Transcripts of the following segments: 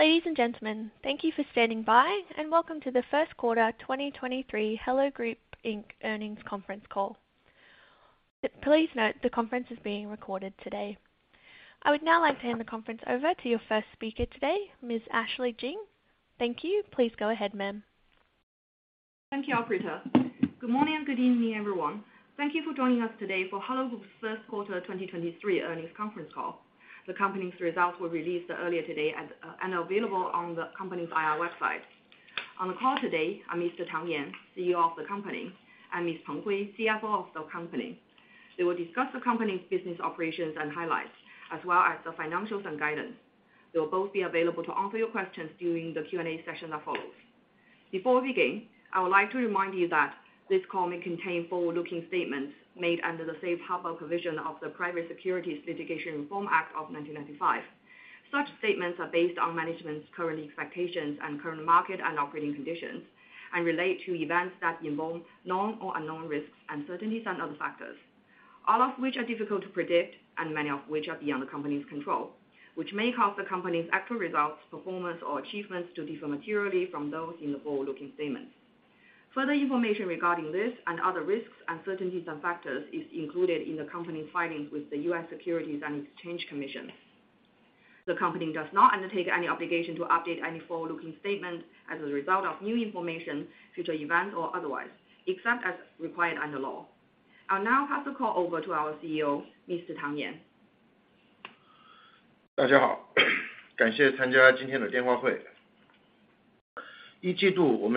Ladies and gentlemen, thank you for standing by, welcome to the Q1 2023 Hello Group Inc. Earnings Conference Call. Please note, the conference is being recorded today. I would now like to hand the conference over to your first speaker today, Ms. Ashley Jing. Thank you. Please go ahead, ma'am. Thank you, operator. Good morning and good evening, everyone. Thank you for joining us today for Hello Group's Q1 2023 Earnings Conference Call. The company's results were released earlier today and available on the company's IR website. On the call today are Mr. Tang Yan, CEO of the company, and Ms. Peng Hui, CFO of the company. They will discuss the company's business operations and highlights, as well as the financials and guidance. They will both be available to answer your questions during the Q&A session that follows. Before we begin, I would like to remind you that this call may contain forward-looking statements made under the safe harbor provision of the Private Securities Litigation Reform Act of 1995. Such statements are based on management's current expectations and current market and operating conditions, and relate to events that involve known or unknown risks, uncertainties, and other factors. All of which are difficult to predict, and many of which are beyond the company's control, which may cause the company's actual results, performance, or achievements to differ materially from those in the forward-looking statements. Further information regarding this and other risks, uncertainties, and factors is included in the company's filings with the US Securities and Exchange Commission. The company does not undertake any obligation to update any forward-looking statement as a result of new information, future event, or otherwise, except as required under law. I'll now pass the call over to our CEO, Mr. Tang Yan. Hello, everyone.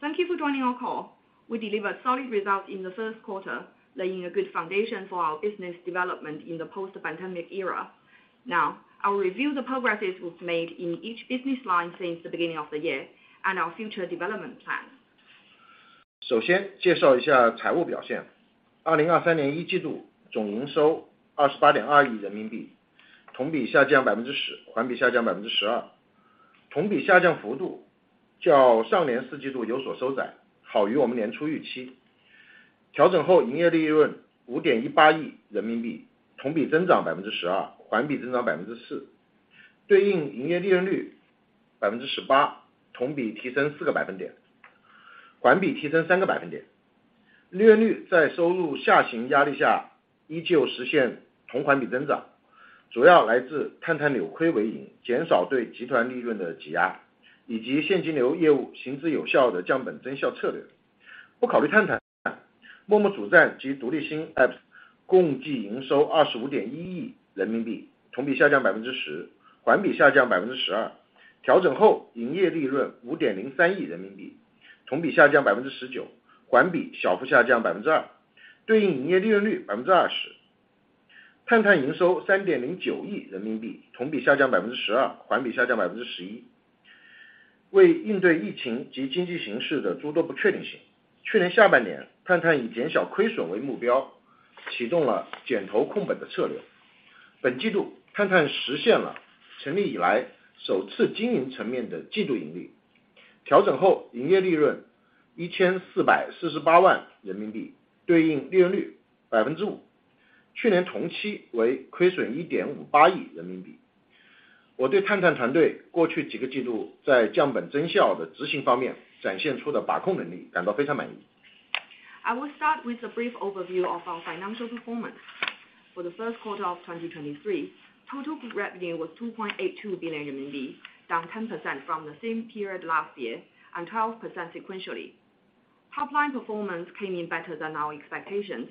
Thank you for joining our call. We delivered solid results in the Q1, laying a good foundation for our business development in the post-pandemic era. Now, I will review the progresses we've made in each business line since the beginning of the year and our future development plan. Hello, everyone. Thank you for joining our call. We delivered solid results in the Q1, laying a good foundation for our business development in the post-pandemic era. Now, I will review the progresses we've made in each business line since the beginning of the year and our future development plan. I will start with a brief overview of our financial performance. For the Q1 of 2023, total revenue was 2.82 billion RMB, down 10% from the same period last year and 12 sequentially. Top line performance came in better than our expectations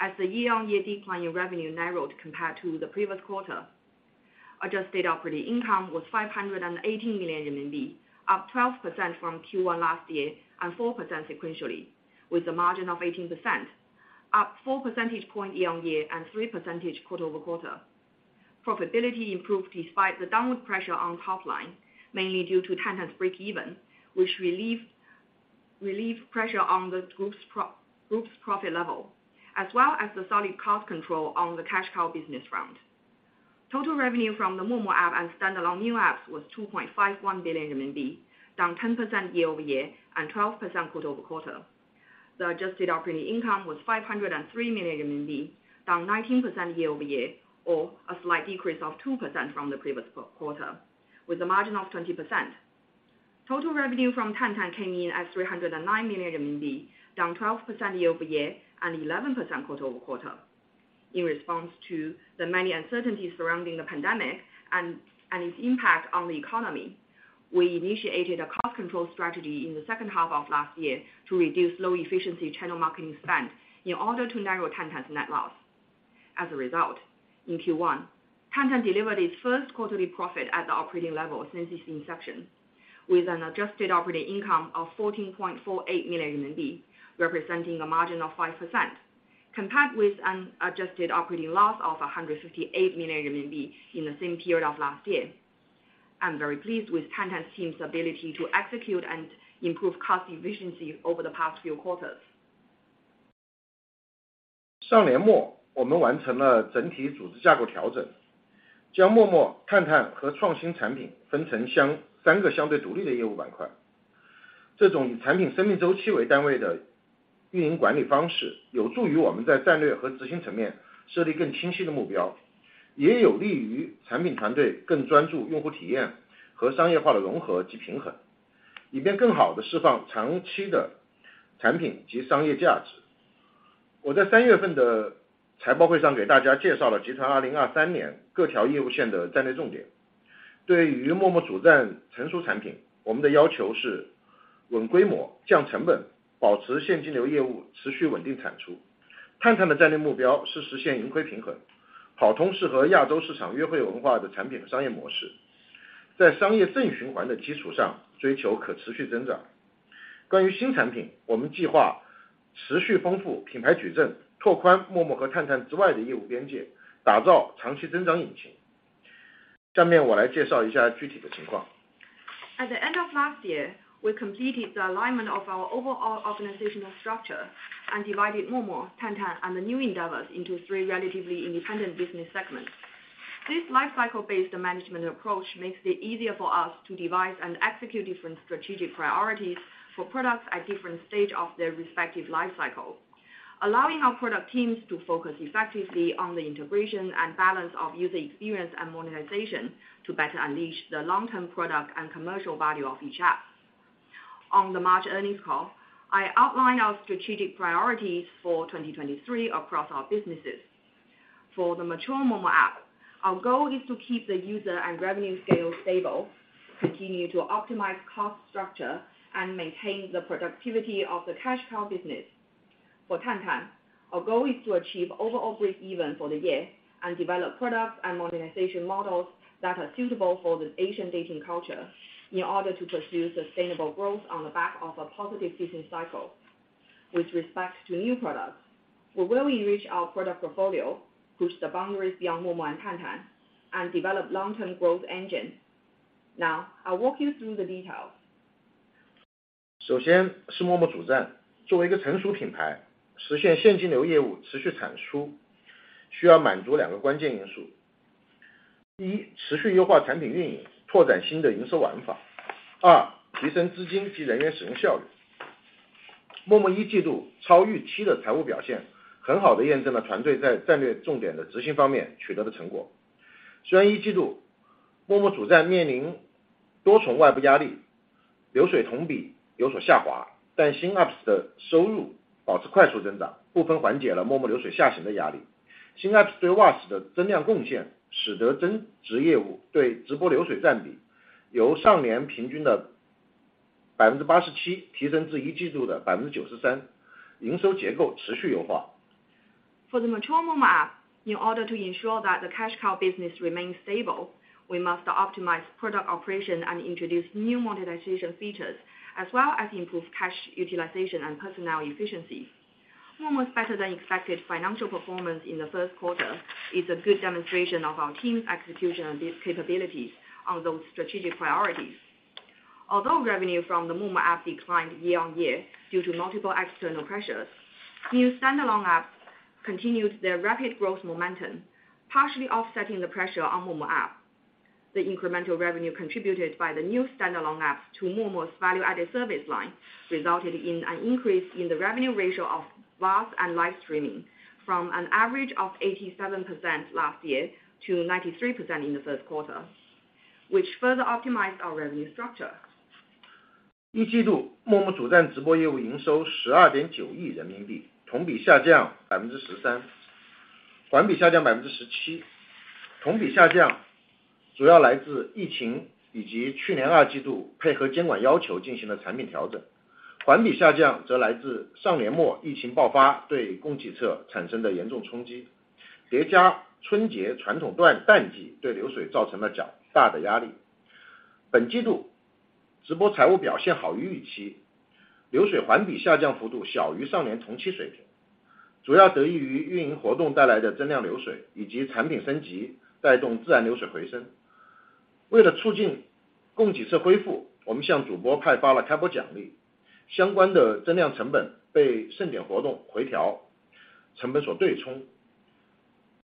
as the year-on-year decline in revenue narrowed compared to the previous quarter. Adjusted operating income was 518 million RMB, up 12% from Q1 last year and 4% sequentially, with a margin of 18%, up 4 percentage point year-on-year and 3 percentage quarter-over-quarter. Profitability improved despite the downward pressure on top line, mainly due to Tantan's breakeven, which relieved pressure on the group's profit level, as well as the solid cost control on the cash cow business front. Total revenue from the Momo app and standalone new apps was 2.51 billion RMB, down 10% year-over-year and 12% quarter-over-quarter. The adjusted operating income was 503 million RMB, down 19% year-over-year, or a slight decrease of 2% from the previous quarter, with a margin of 20%. Total revenue from Tantan came in at 309 million RMB, down 12% year-over-year, 11% quarter-over-quarter. In response to the many uncertainties surrounding the pandemic and its impact on the economy, we initiated a cost control strategy in the second half of last year to reduce low efficiency channel marketing spend in order to narrow Tantan's net loss. As a result, in Q1, Tantan delivered its first quarterly profit at the operating level since its inception, with an adjusted operating income of 14.48 million RMB, representing a margin of 5%, compared with an adjusted operating loss of 158 million RMB in the same period of last year. I'm very pleased with Tantan's team's ability to execute and improve cost efficiency over the past few quarters.... 上年 末， 我们完成了整体组织架构调 整， 将陌陌、探探和创新产品分成相三个相对独立的业务板块。这种以产品生命周期为单位的运营管理方 式， 有助于我们在战略和执行层面设立更清晰的目 标， 也有利于产品团队更专注用户体验和商业化的融合及平 衡， 以便更好地释放长期的产品及商业价值。我在三月份的财报会上给大家介绍了集团二零二三年各条业务线的战略重点。对于陌陌主站成熟产 品， 我们的要求是稳规 模， 降成 本， 保持现金流业务持续稳定产出。探探的战略目标是实现盈亏平 衡， 跑通适合亚洲市场约会文化的产品和商业模 式， 在商业正循环的基础 上， 追求可持续增长。关于新产 品， 我们计划持续丰富品牌矩阵，拓宽陌陌和探探之外的业务边 界， 打造长期增长引擎。下面我来介绍一下具体的情况。At the end of last year, we completed the alignment of our overall organizational structure and divided Momo, Tantan, and the new endeavors into three relatively independent business segments. This life cycle based management approach makes it easier for us to devise and execute different strategic priorities for products at different stages of their respective lifecycle, allowing our product teams to focus effectively on the integration and balance of user experience and monetization to better unleash the long term product and commercial value of each app. On the March earnings call, I outlined our strategic priorities for 2023 across our businesses. For the mature Momo app, our goal is to keep the user and revenue scale stable, continue to optimize cost structure, and maintain the productivity of the cash cow business. For Tantan, our goal is to achieve overall break even for the year and develop products and monetization models that are suitable for the Asian dating culture in order to pursue sustainable growth on the back of a positive business cycle. With respect to new products, we will enrich our product portfolio, push the boundaries beyond Momo and Tantan, and develop long-term growth engine. Now I'll walk you through the details. 首先是陌陌主 站， 作为一个成熟品 牌， 实现现金流业务持续产 出， 需要满足两个关键因 素： 第 一， 持续优化产品运 营， 拓展新的营收玩法。二、提升资金及人员使用效率。陌陌一季度超预期的财务表 现， 很好地验证了团队在战略重点的执行方面取得的成果。虽然一季度陌陌主站面临多重外部压 力， 流水同比有所下 滑， 但新 apps 的收入保持快速增 长， 部分缓解了陌陌流水下行的压力。新 apps 对 VAS 的增量贡 献， 使得增值业务对直播流水占比由上年平均的百分之八十七提升至一季度的百分之九十 三， 营收结构持续优化。For the mature Momo app, in order to ensure that the cash cow business remains stable, we must optimize product operation and introduce new monetization features as well as improve cash utilization and personnel efficiency. Momo's better than expected financial performance in the Q1 is a good demonstration of our team's execution and capabilities on those strategic priorities. Although revenue from the Momo app declined year-over-year due to multiple external pressures, new standalone apps continued their rapid growth momentum, partially offsetting the pressure on Momo app. The incremental revenue contributed by the new standalone apps to Momo's value added service line, resulted in an increase in the revenue ratio of VAS 和 live streaming from an average of 87% last year to 93% in the Q1, which further optimized our revenue structure. 一季 度， 陌陌主站直播业务营收十二点九亿人民 币， 同比下降百分之十 三， 环比下降百分之十七。同比下降主要来自疫情以及去年二季度配合监管要求进行的产品调 整， 环比下降则来自上年末疫情爆发对供给侧产生的严重冲 击， 叠加春节传统淡季对流水造成了较大的压力。本季度直播财务表现好于预 期， 流水环比下降幅度小于上年同期水 平， 主要得益于运营活动带来的增量流水以及产品升级带动自然流水回升。为了促进供给侧恢 复， 我们向主播派发了开播奖 励， 相关的增量成本被盛典活动回调成本所对冲。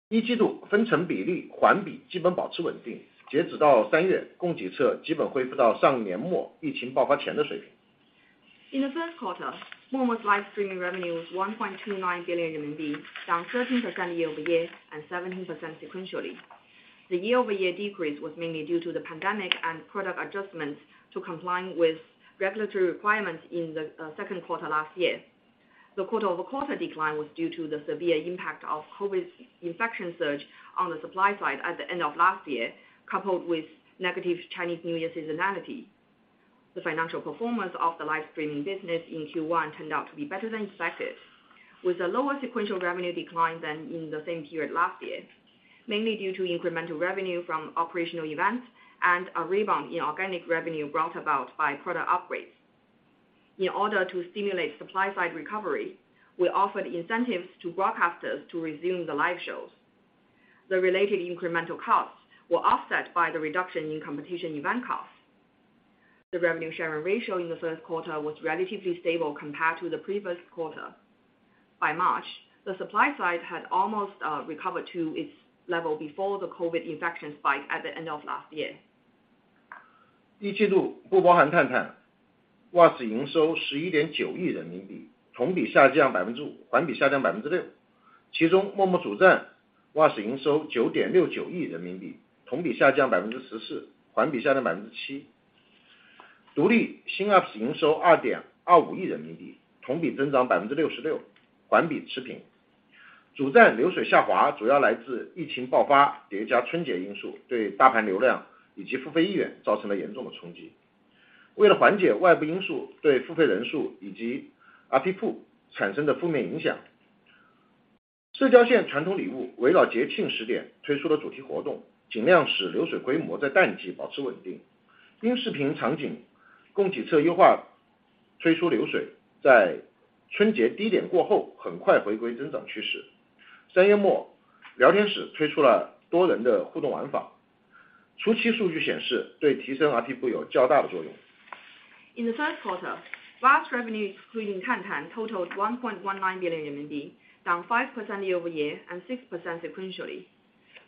一季度分成比例环比基本保持稳 定， 截止到三 月， 供给侧基本恢复到上年末疫情爆发前的水平。In the Q1, Momo's live streaming revenue was 1.29 billion RMB, down 13% year-over-year and 17% sequentially. The year-over-year decrease was mainly due to the pandemic and product adjustments to complying with regulatory requirements in the Q2 last year. The quarter-over-quarter decline was due to the severe impact of COVID infection surge on the supply side at the end of last year, coupled with negative Chinese New Year seasonality. The financial performance of the live streaming business in Q1 turned out to be better than expected, with a lower sequential revenue decline than in the same period last year, mainly due to incremental revenue from operational events and a rebound in organic revenue brought about by product upgrades. In order to stimulate supply side recovery, we offered incentives to broadcasters to resume the live shows. The related incremental costs were offset by the reduction in competition event costs. The revenue sharing ratio in the Q1 was relatively stable compared to the previous quarter. By March, the supply side had almost recovered to its level before the COVID infection spike at the end of last year. 第一季 度, 不包含探 探, 挖私营收十一点九亿人民 币, 同比下降百分之 五, 环比下降百分之六。其 中, 陌陌主站挖私营收九点六九亿人民 币, 同比下降百分之十 四, 环比下降百分之七。独立新 APP 营收二点二五亿人民 币, 同比增长百分之六十 六, 环比持平。主站流水下 滑, 主要来自疫情爆发叠加春节因 素, 对大盘流量以及付费意愿造成了严重的冲击。为了缓解外部因素对付费人数以及 RP 池产生的负面影 响, 社交线传统礼物围绕节庆时点推出的主题活 动, 尽量使流水规模在淡季保持稳定。音视频场景供给侧优化推出流 水, 在春节低点过后很快回归增长趋势。三月 末, 聊天室推出了多人的互动玩 法, 初期数据显 示, 对提升 RP 池有较大的作用。In the Q3, VAS revenue, including Tantan, totaled 1.19 billion RMB, down 5% year-over-year, and 6% sequentially.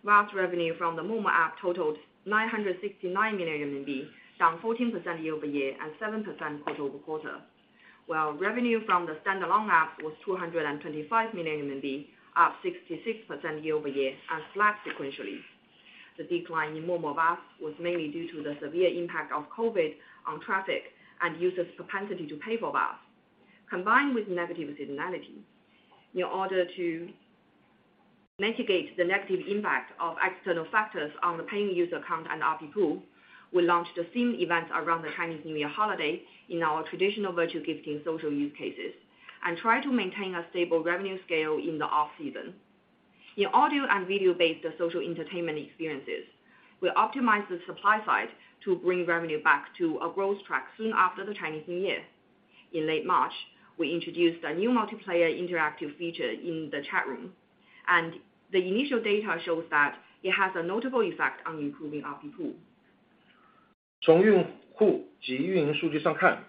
VAS revenue from the Momo app totaled 969 million RMB, down 14% year-over-year, and 7% quarter-over-quarter, while revenue from the standalone app was 225 million, up 66% year-over-year, and flat sequentially. The decline in Momo VAS was mainly due to the severe impact of COVID on traffic and users' propensity to pay for VAS. Combined with negative seasonality, in order to mitigate the negative impact of external factors on the paying user count and RP pool, we launched the same events around the Chinese New Year holiday in our traditional virtual gifting social use cases, and try to maintain a stable revenue scale in the off-season. In audio and video-based social entertainment experiences, we optimize the supply side to bring revenue back to a growth track soon after the Chinese New Year. In late March, we introduced a new multiplayer interactive feature in the chat room, and the initial data shows that it has a notable effect on improving RP pool. 从用户及运营数据上 看,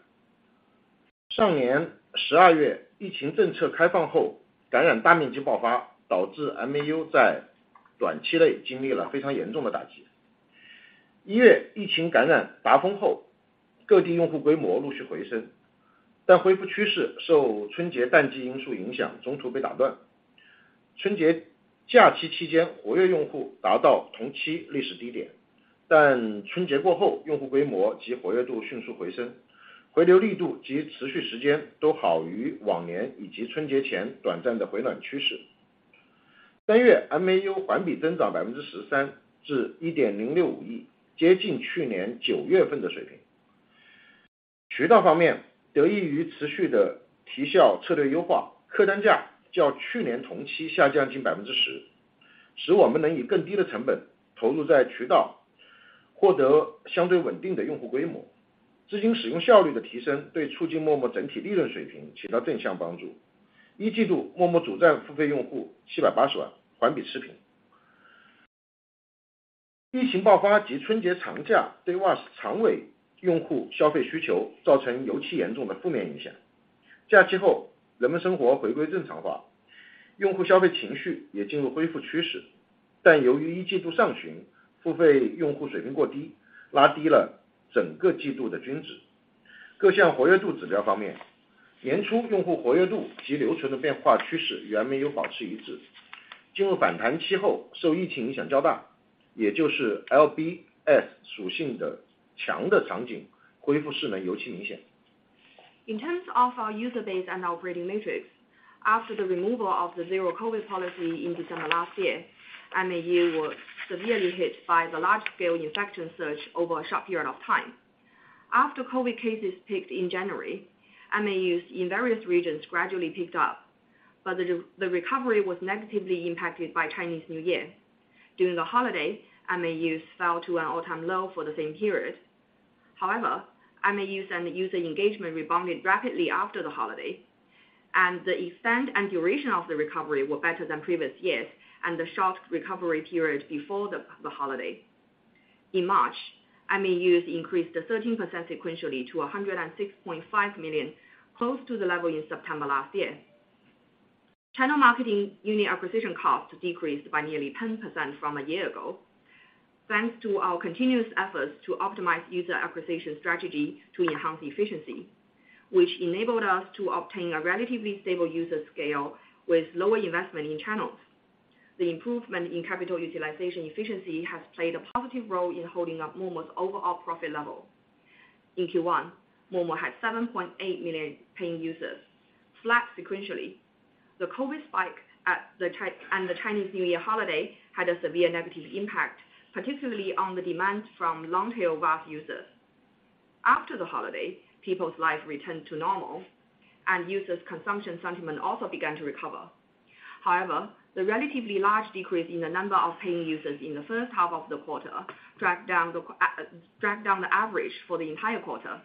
上年十二月疫情政策开放 后, 感染大面积爆 发, 导致 MAU 在短期内经历了非常严重的打击。一月疫情感染达峰 后, 各地用户规模陆续回 升, 但恢复趋势受春节淡季因素影 响, 中途被打断。春节假期期 间, 活跃用户达到同期历史低 点, 但春节过 后, 用户规模及活跃度迅速回升,回流力度及持续时间都好于往年以及春节前短暂的回暖趋势。三 月, MAU 环比增长百分之十三至一点零六五 亿, 接近去年九月份的水平。渠道方 面, 得益于持续的提效策略优 化, 客单价较去年同期下降近百分之 十, 使我们能以更低的成本投入在渠 道, 获得相对稳定的用户规模。资金使用效率的提 升, 对促进陌陌整体利润水平起到正向帮助。一季 度, 陌陌主站付费用户七百八十 万, 环比持平。疫情爆发及春节长 假, 对挖私长尾用户消费需求造成尤其严重的负面影响。假期 后, 人们生活回归正常 化, 用户消费情绪也进入恢复趋势。但由于一季度上旬付费用户水平过 低, 拉低了整个季度的均值。各项活跃度指标方 面, 年初用户活跃度及留存的变化趋势原没有保持一 致, 进入反弹期 后, 受疫情影响较 大, 也就是 LBS 属性的强的场 景, 恢复势能尤其明显。In terms of our user base and operating metrics, after the removal of the Zero-COVID policy in December 2022, MAU was severely hit by the large-scale infection surge over a short period of time. After COVID cases peaked in January, MAUs in various regions gradually picked up, but the recovery was negatively impacted by Chinese New Year. During the holiday, MAUs fell to an all-time low for the same period. However, MAUs and the user engagement rebounded rapidly after the holiday, and the extent and duration of the recovery were better than previous years, and the short recovery period before the holiday. In March, MAUs increased 13% sequentially to 106.5 million, close to the level in September 2022. Channel marketing unit acquisition costs decreased by nearly 10% from a year-ago, thanks to our continuous efforts to optimize user acquisition strategy to enhance efficiency, which enabled us to obtain a relatively stable user scale with lower investment in channels. The improvement in capital utilization efficiency has played a positive role in holding up Momo's overall profit level. In Q1, Momo had 7.8 million paying users, flat sequentially. The COVID spike and the Chinese New Year holiday had a severe negative impact, particularly on the demand from long-tail VAS users. After the holiday, people's life returned to normal, and users' consumption sentiment also began to recover. However, the relatively large decrease in the number of paying users in the first half of the quarter dragged down the average for the entire quarter.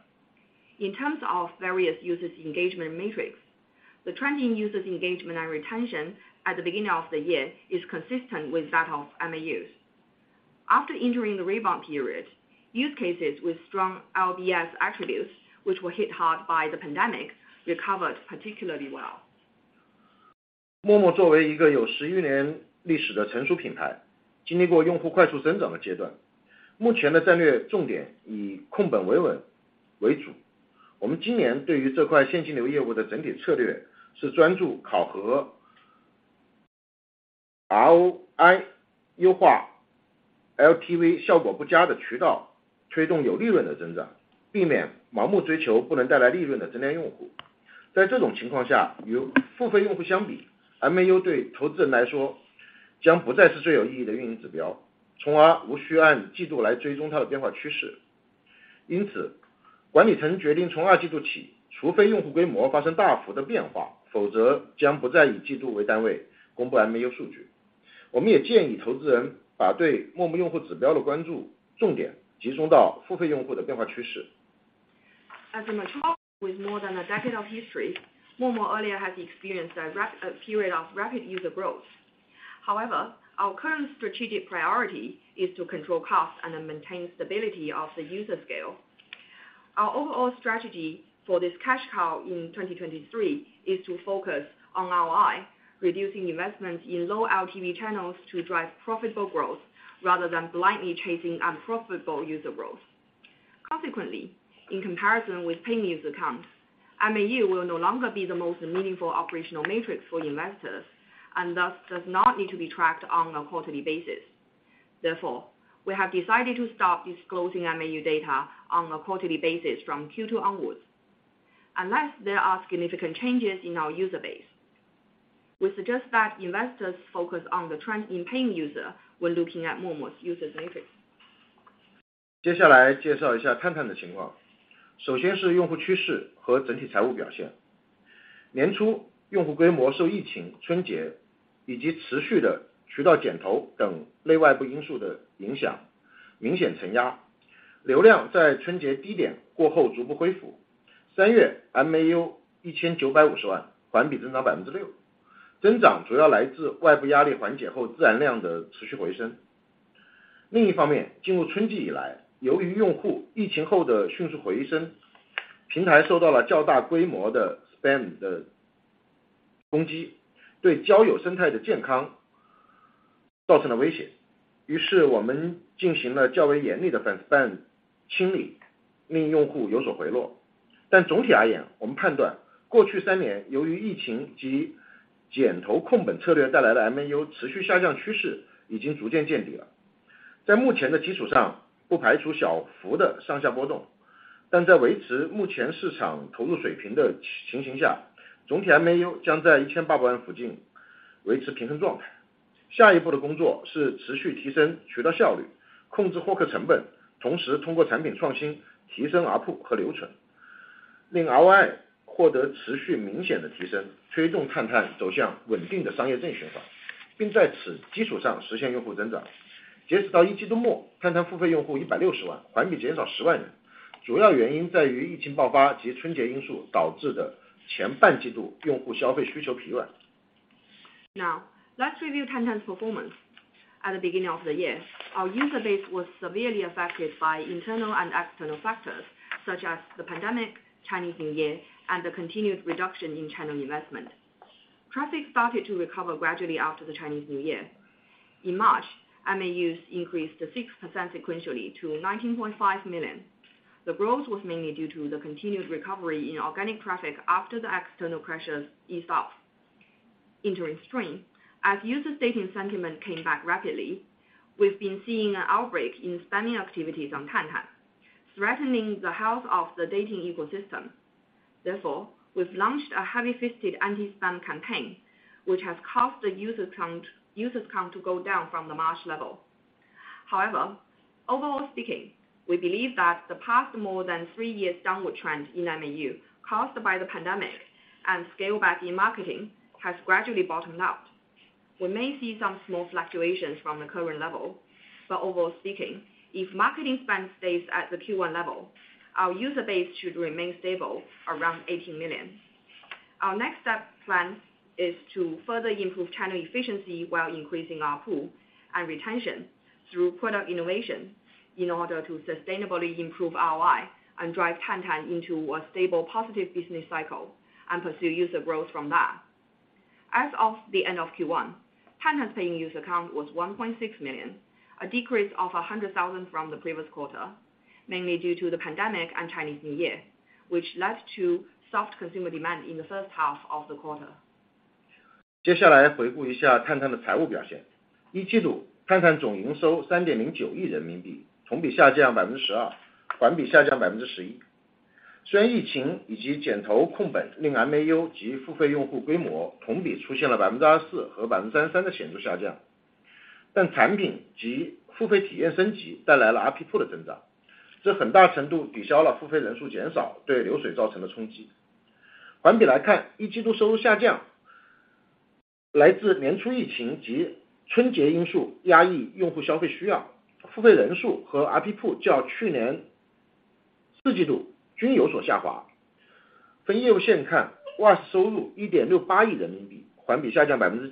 In terms of various users engagement matrix, the trending users engagement and retention at the beginning of the year is consistent with that of MAUs. After entering the rebound period, use cases with strong LBS attributes, which were hit hard by the pandemic, recovered particularly well. MOMO 作为一个有十余年历史的成熟品 牌， 经历过用户快速增长的阶 段， 目前的战略重点以控本维稳为主。我们今年对于这块现金流业务的整体策略是专注考核 ROI， 优化 LTV 效果不佳的渠 道， 推动有利润的增 长， 避免盲目追求不能带来利润的增量用户。在这种情况 下， 与付费用户相比 ，MAU 对投资人来说将不再是最有意义的运营指 标， 从而无需按季度来追踪它的变化趋势。因 此， 管理层决定从二季度 起， 除非用户规模发生大幅的变 化， 否则将不再以季度为单位公布 MAU 数据。我们也建议投资人把对 MOMO 用户指标的关注重点集中到付费用户的变化趋势。As a mature with more than a decade of history, Momo earlier has experienced a period of rapid user growth. However, our current strategic priority is to control cost and maintain stability of the user scale. Our overall strategy for this cash cow in 2023 is to focus on ROI, reducing investments in low LTV channels to drive profitable growth, rather than blindly chasing unprofitable user growth. Consequently, in comparison with paying user counts, MAU will no longer be the most meaningful operational matrix for investors, and thus does not need to be tracked on a quarterly basis. Therefore, we have decided to stop disclosing MAU data on a quarterly basis from Q2 onwards, unless there are significant changes in our user base. We suggest that investors focus on the trend in paying user when looking at Momo's user matrix. 介绍一下 Tantan 的情况。是用户趋势和整体财务表现。年 初， 用户规模受疫情、春节以及持续的渠道减投等内外部因素的影 响， 明显承 压， 流量在春节低点过后逐步恢复。三月 MAU 19.5 million， 环比增长 6%， 增长主要来自外部压力缓解后自然量的持续回升。进入春季以来，由于用户疫情后的迅速回 升， 平台受到了较大规模的 spam 的攻 击， 对交友生态的健康造成了威胁。我们进行了较为严厉的反 spam 清 理， 令用户有所回落。总体而 言， 我们判断过去三年由于疫情及减投控本策略带来的 MAU 持续下降趋势已经逐渐见底了。在目前的基础上，不排除小幅的上下波 动， 但在维持目前市场投入水平的情形 下， 总体 MAU 将在18 million 附近维持平衡状态。下一步的工作是持续提升渠道效 率， 控制获客成 本， 同时通过产品创新提升 ARPU 和留 存， 令 ROI 获得持续明显的提 升， 推动 Tantan 走向稳定的商业正循 环， 并在此基础上实现用户增长。截止到 Q1 end， Tantan 付费用户 1.6 million， 环比减少 100,000 人。主要原因在于疫情爆发及春节因素导致的前半季度用户消费需求疲软。Now, let's review Tantan's performance. At the beginning of the year, our user base was severely affected by internal and external factors such as the pandemic, Chinese New Year, and the continued reduction in channel investment. Traffic started to recover gradually after the Chinese New Year. In March, MAUs increased to 6% sequentially to 19.5 million. The growth was mainly due to the continued recovery in organic traffic after the external pressures eased off. Entering spring, as user dating sentiment came back rapidly, we've been seeing an outbreak in spamming activities on Tantan, threatening the health of the dating ecosystem. Therefore, we've launched a heavy-fisted anti-spam campaign, which has caused the users count to go down from the March level. However, overall speaking, we believe that the past more than three years downward trend in MAU caused by the pandemic and scale back in marketing, has gradually bottomed out. We may see some small fluctuations from the current level, but overall speaking, if marketing spend stays at the Q1 level, our user base should remain stable around 18 million. Our next step plan is to further improve channel efficiency while increasing our pool and retention through product innovation, in order to sustainably improve ROI and drive Tantan into a stable, positive business cycle and pursue user growth from that. As of the end of Q1, Tantan's paying user account was 1.6 million, a decrease of 100,000 from the previous quarter, mainly due to the pandemic and Chinese New Year, which led to soft consumer demand in the first half of the quarter. 接下来回顾一下探探的财务表 现. 一季 度， 探探总营收 RMB 309 million， 同比下降 12%， 环比下降 11%. 虽然疫情以及减投控本令 MAU 及付费用户规模同比出现了 24% 和 33% 的显著下 降， 但产品及付费体验升级带来了 RP pool 的增 长， 这很大程度抵消了付费人数减少对流水造成的冲 击. 环比来 看， 一季度收入下 降.... 来自年初疫情及春节因 素， 压抑用户消费需 要， 付费人数和 RP pool 较去年第四季度均有所下滑。分业务线 看， WA 收入 RMB 1.68 billion， 环比下降 9%，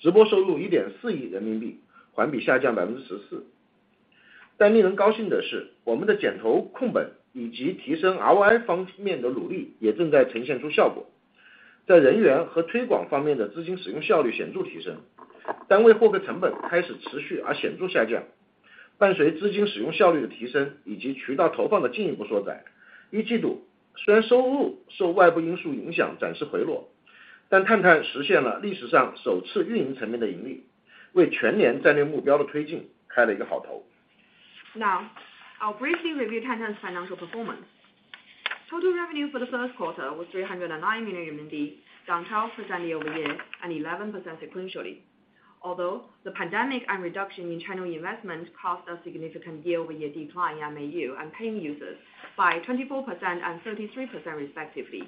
直播收入 RMB 1.4 billion， 环比下降 14%。但令人高兴的 是， 我们的减投、控本以及提升 ROI 方面的努力也正在呈现出效果，在人员和推广方面的资金使用效率显著提 升， 单位获客成本开始持续而显著下降。伴随资金使用效率的提升以及渠道投放的进一步缩 窄， 第一季度虽然收入受外部因素影响暂时回 落， 但 Tantan 实现了历史上首次运营层面的盈 利， 为全年战略目标的推进开了一个好头。I'll briefly review Tantan's financial performance. Total revenue for the Q1 was 309 million RMB, down 12% year-over-year and 11% sequentially. Although the pandemic and reduction in China investment caused a significant year-over-year decline in MAU and paying users by 24% and 33% respectively,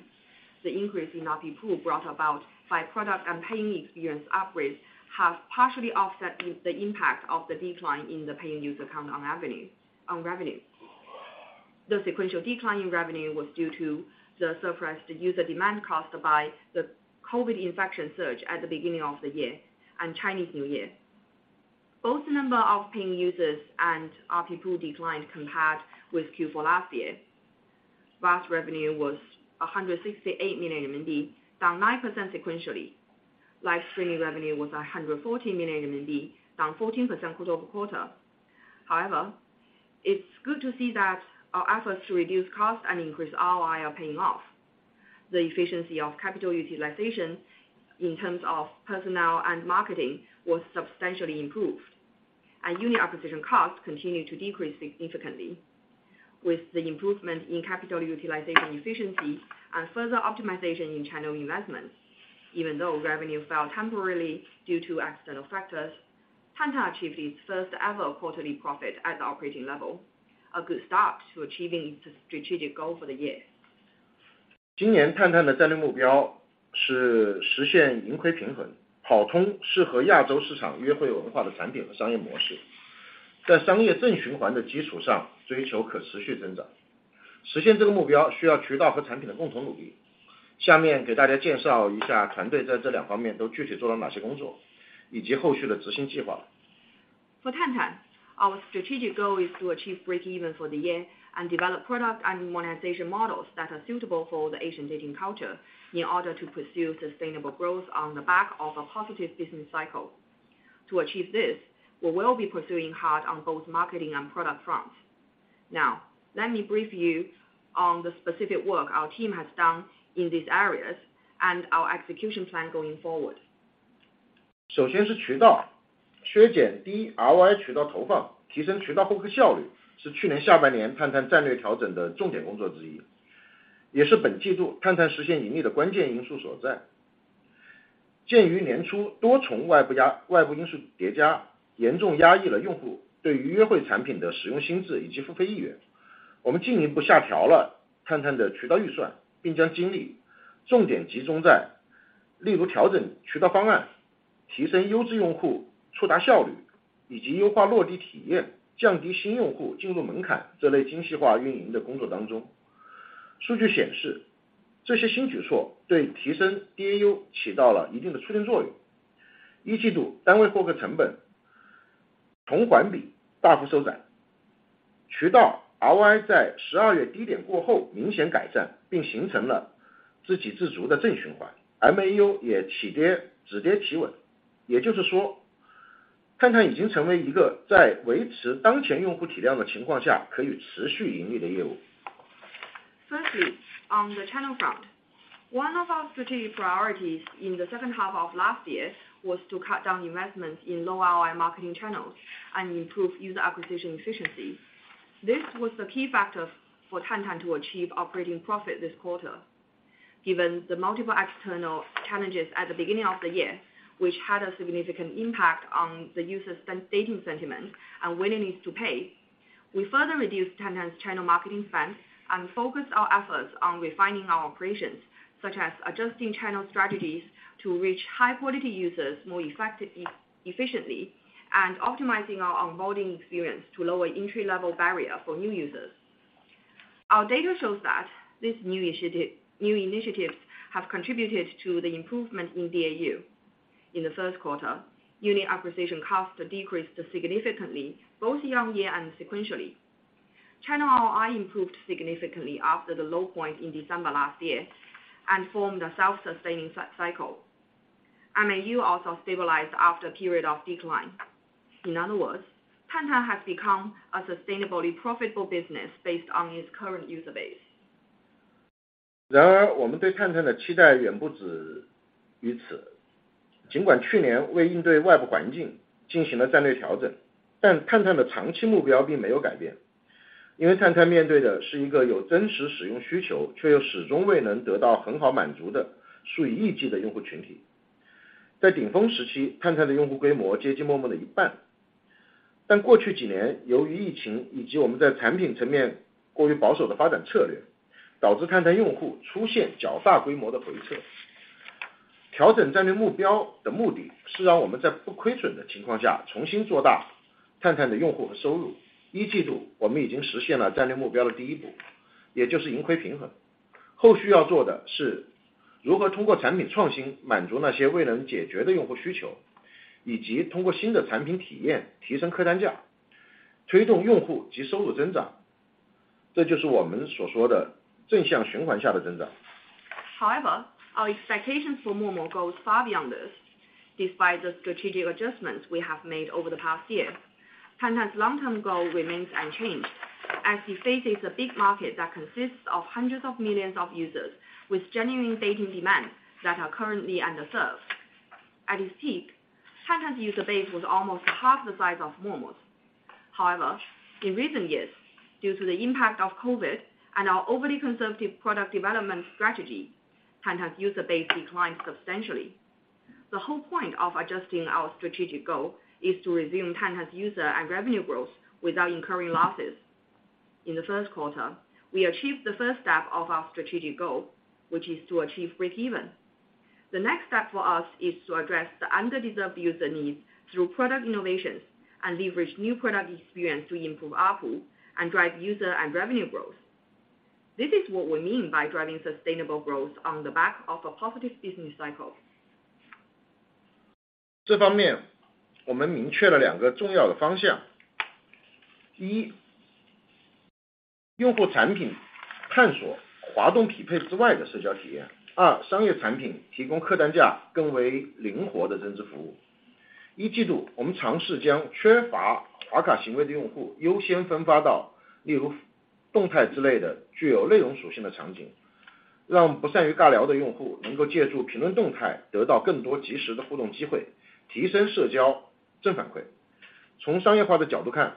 the increase in RP pool brought about by product and paying experience upgrades have partially offset the impact of the decline in the paying user count on revenue. The sequential decline in revenue was due to the suppressed user demand caused by the COVID infection surge at the beginning of the year and Chinese New Year. Both the number of paying users and RP pool declined compared with Q4 last year. Last revenue was 168 million RMB, down 9% sequentially. Live streaming revenue was 114 million RMB, down 14% quarter-over-quarter. It's good to see that our efforts to reduce costs and increase ROI are paying off. The efficiency of capital utilization in terms of personnel and marketing was substantially improved, and unit acquisition costs continued to decrease significantly, with the improvement in capital utilization efficiency and further optimization in channel investments, even though revenue fell temporarily due to external factors, Tantan achieved its first ever quarterly profit at the operating level, a good start to achieving its strategic goal for the year. 今年探探的战略目标是实现盈亏平 衡， 跑通适合亚洲市场约会文化的产品和商业模 式， 在商业正循环的基础 上， 追求可持续增长。实现这个目标需要渠道和产品的共同努力。下面给大家介绍一下团队在这两方面都具体做了哪些工 作， 以及后续的执行计划。For Tantan, our strategic goal is to achieve breakeven for the year and develop product and monetization models that are suitable for the Asian dating culture in order to pursue sustainable growth on the back of a positive business cycle. To achieve this, we will be pursuing hard on both marketing and product fronts. Now, let me brief you on the specific work our team has done in these areas and our execution plan going forward. 首先是渠道。削减低 ROI 渠道投 放， 提升渠道获客效 率， 是去年下半年探探战略调整的重点工作之 一， 也是本季度探探实现盈利的关键因素所在。鉴于年初多重外部 压， 外部因素叠 加， 严重压抑了用户对于约会产品的使用心智以及付费意 愿， 我们进一步下调了探探的渠道预 算， 并将精力重点集中在例如调整渠道方案、提升优质用户触达效 率， 以及优化落地体 验， 降低新用户进入门槛这类精细化运营的工作当中。数据显 示， 这些新举措对提升 DAU 起到了一定的促进作用。一季度单位获客成本同环比大幅收 窄， 渠道 ROI 在十二月低点过后明显改 善， 并形成了自给自足的正循环 ，MAU 也起 跌， 止跌企稳。也就是说，探探已经成为一个在维持当前用户体量的情况下可以持续盈利的业务。Firstly, on the channel front, one of our strategic priorities in the second half of last year was to cut down investments in low ROI marketing channels and improve user acquisition efficiency. This was the key factor for Tantan to achieve operating profit this quarter. Given the multiple external challenges at the beginning of the year, which had a significant impact on the users' dating sentiment and willingness to pay, we further reduced Tantan's channel marketing spend and focused our efforts on refining our operations, such as adjusting channel strategies to reach high quality users more effectively, efficiently, and optimizing our onboarding experience to lower entry-level barrier for new users. Our data shows that these new initiatives have contributed to the improvement in DAU. In the Q1, unit acquisition costs decreased significantly, both year-on-year and sequentially. Channel ROI improved significantly after the low point in December last year and formed a self-sustaining cycle. MAU also stabilized after a period of decline. In other words, Tantan has become a sustainably profitable business based on its current user base. 然 而， 我们对探探的期待远不止于此。尽管去年为应对外部环境进行了战略调 整， 但探探的长期目标并没有改变。因为探探面对的是一个有真实使用需 求， 却又始终未能得到很好满足的数以亿计的用户群体。在顶峰时 期， 探探的用户规模接近陌陌的一 半。... 过去几 年， 由于疫情以及我们在产品层面过于保守的发展策 略， 导致探探用户出现较大规模的回撤。调整战略目标的目 的， 是让我们在不亏损的情况下重新做大探探的用户和收入。一季 度， 我们已经实现了战略目标的第一 步， 也就是盈亏平衡。后续要做的是如何通过产品创新满足那些未能解决的用户需 求， 以及通过新的产品体验提升客单 价， 推动用户及收入增长。这就是我们所说的正向循环下的增长。However, our expectation for Momo goes far beyond this. Despite the strategic adjustments we have made over the past year, Tantan's long-term goal remains unchanged as he faces a big market that consists of hundreds of millions of users with genuine dating demands that are currently underserved. At its peak, Tantan's user base was almost half the size of Momo's. However, in recent years, due to the impact of COVID and our overly conservative product development strategy, Tantan's user base declined substantially. The whole point of adjusting our strategic goal is to resume Tantan's user and revenue growth without incurring losses. In the Q1, we achieved the first step of our strategic goal, which is to achieve breakeven. The next step for us is to address the underserved user needs through product innovations and leverage new product experience to improve ARPU and drive user and revenue growth. This is what we mean by driving sustainable growth on the back of a positive business cycle. 这方面我们明确了两个重要的方向。一， 用户产品探索滑动匹配之外的社交体验。二、商业产品提供客单价更为灵活的增值服务。一季 度， 我们尝试将缺乏划卡行为的用户优先分发到例如动态之类的具有内容属性的场 景， 让不善于尬聊的用户能够借助评论动态得到更多及时的互动机 会， 提升社交正反馈。从商业化的角度 看，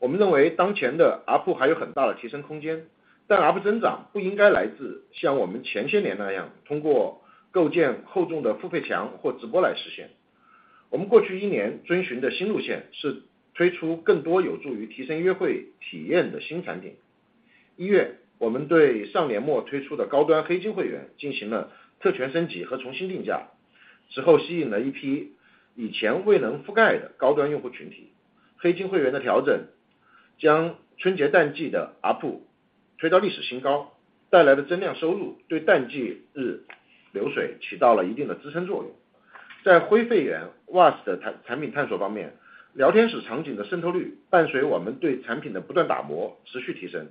我们认为当前的 ARPU 还有很大的提升空 间， 但 ARPU 增长不应该来自像我们前些年那 样， 通过构建厚重的付费墙或直播来实现。我们过去一年遵循的新路线是推出更多有助于提升约会体验的新产品。一 月， 我们对上年末推出的高端黑金会员进行了特权升级和重新定 价， 此后吸引了一批以前未能覆盖的高端用户群体。黑金会员的调整将春节淡季的 ARPU 推到历史新 高， 带来的增量收入对淡季日流水起到了一定的支撑作用。在非会员 Wasp 的产产品探索方 面， 聊天室场景的渗透率伴随我们对产品的不断打 磨， 持续提升。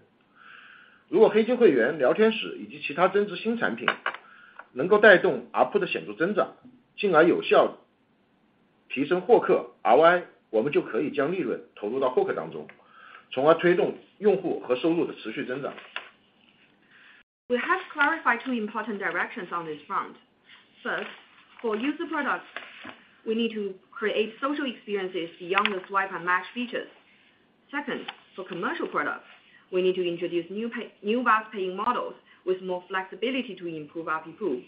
如果黑金会员、聊天室以及其他增值新产品能够带动 ARPU 的显著增 长， 进而有效提升获客 ROI， 我们就可以将利润投入到获客当 中， 从而推动用户和收入的持续增长。We have clarified two important directions on this front. First, for user products, we need to create social experiences beyond the swipe and match features. Second, for commercial products, we need to introduce new VAS paying models with more flexibility to improve our people.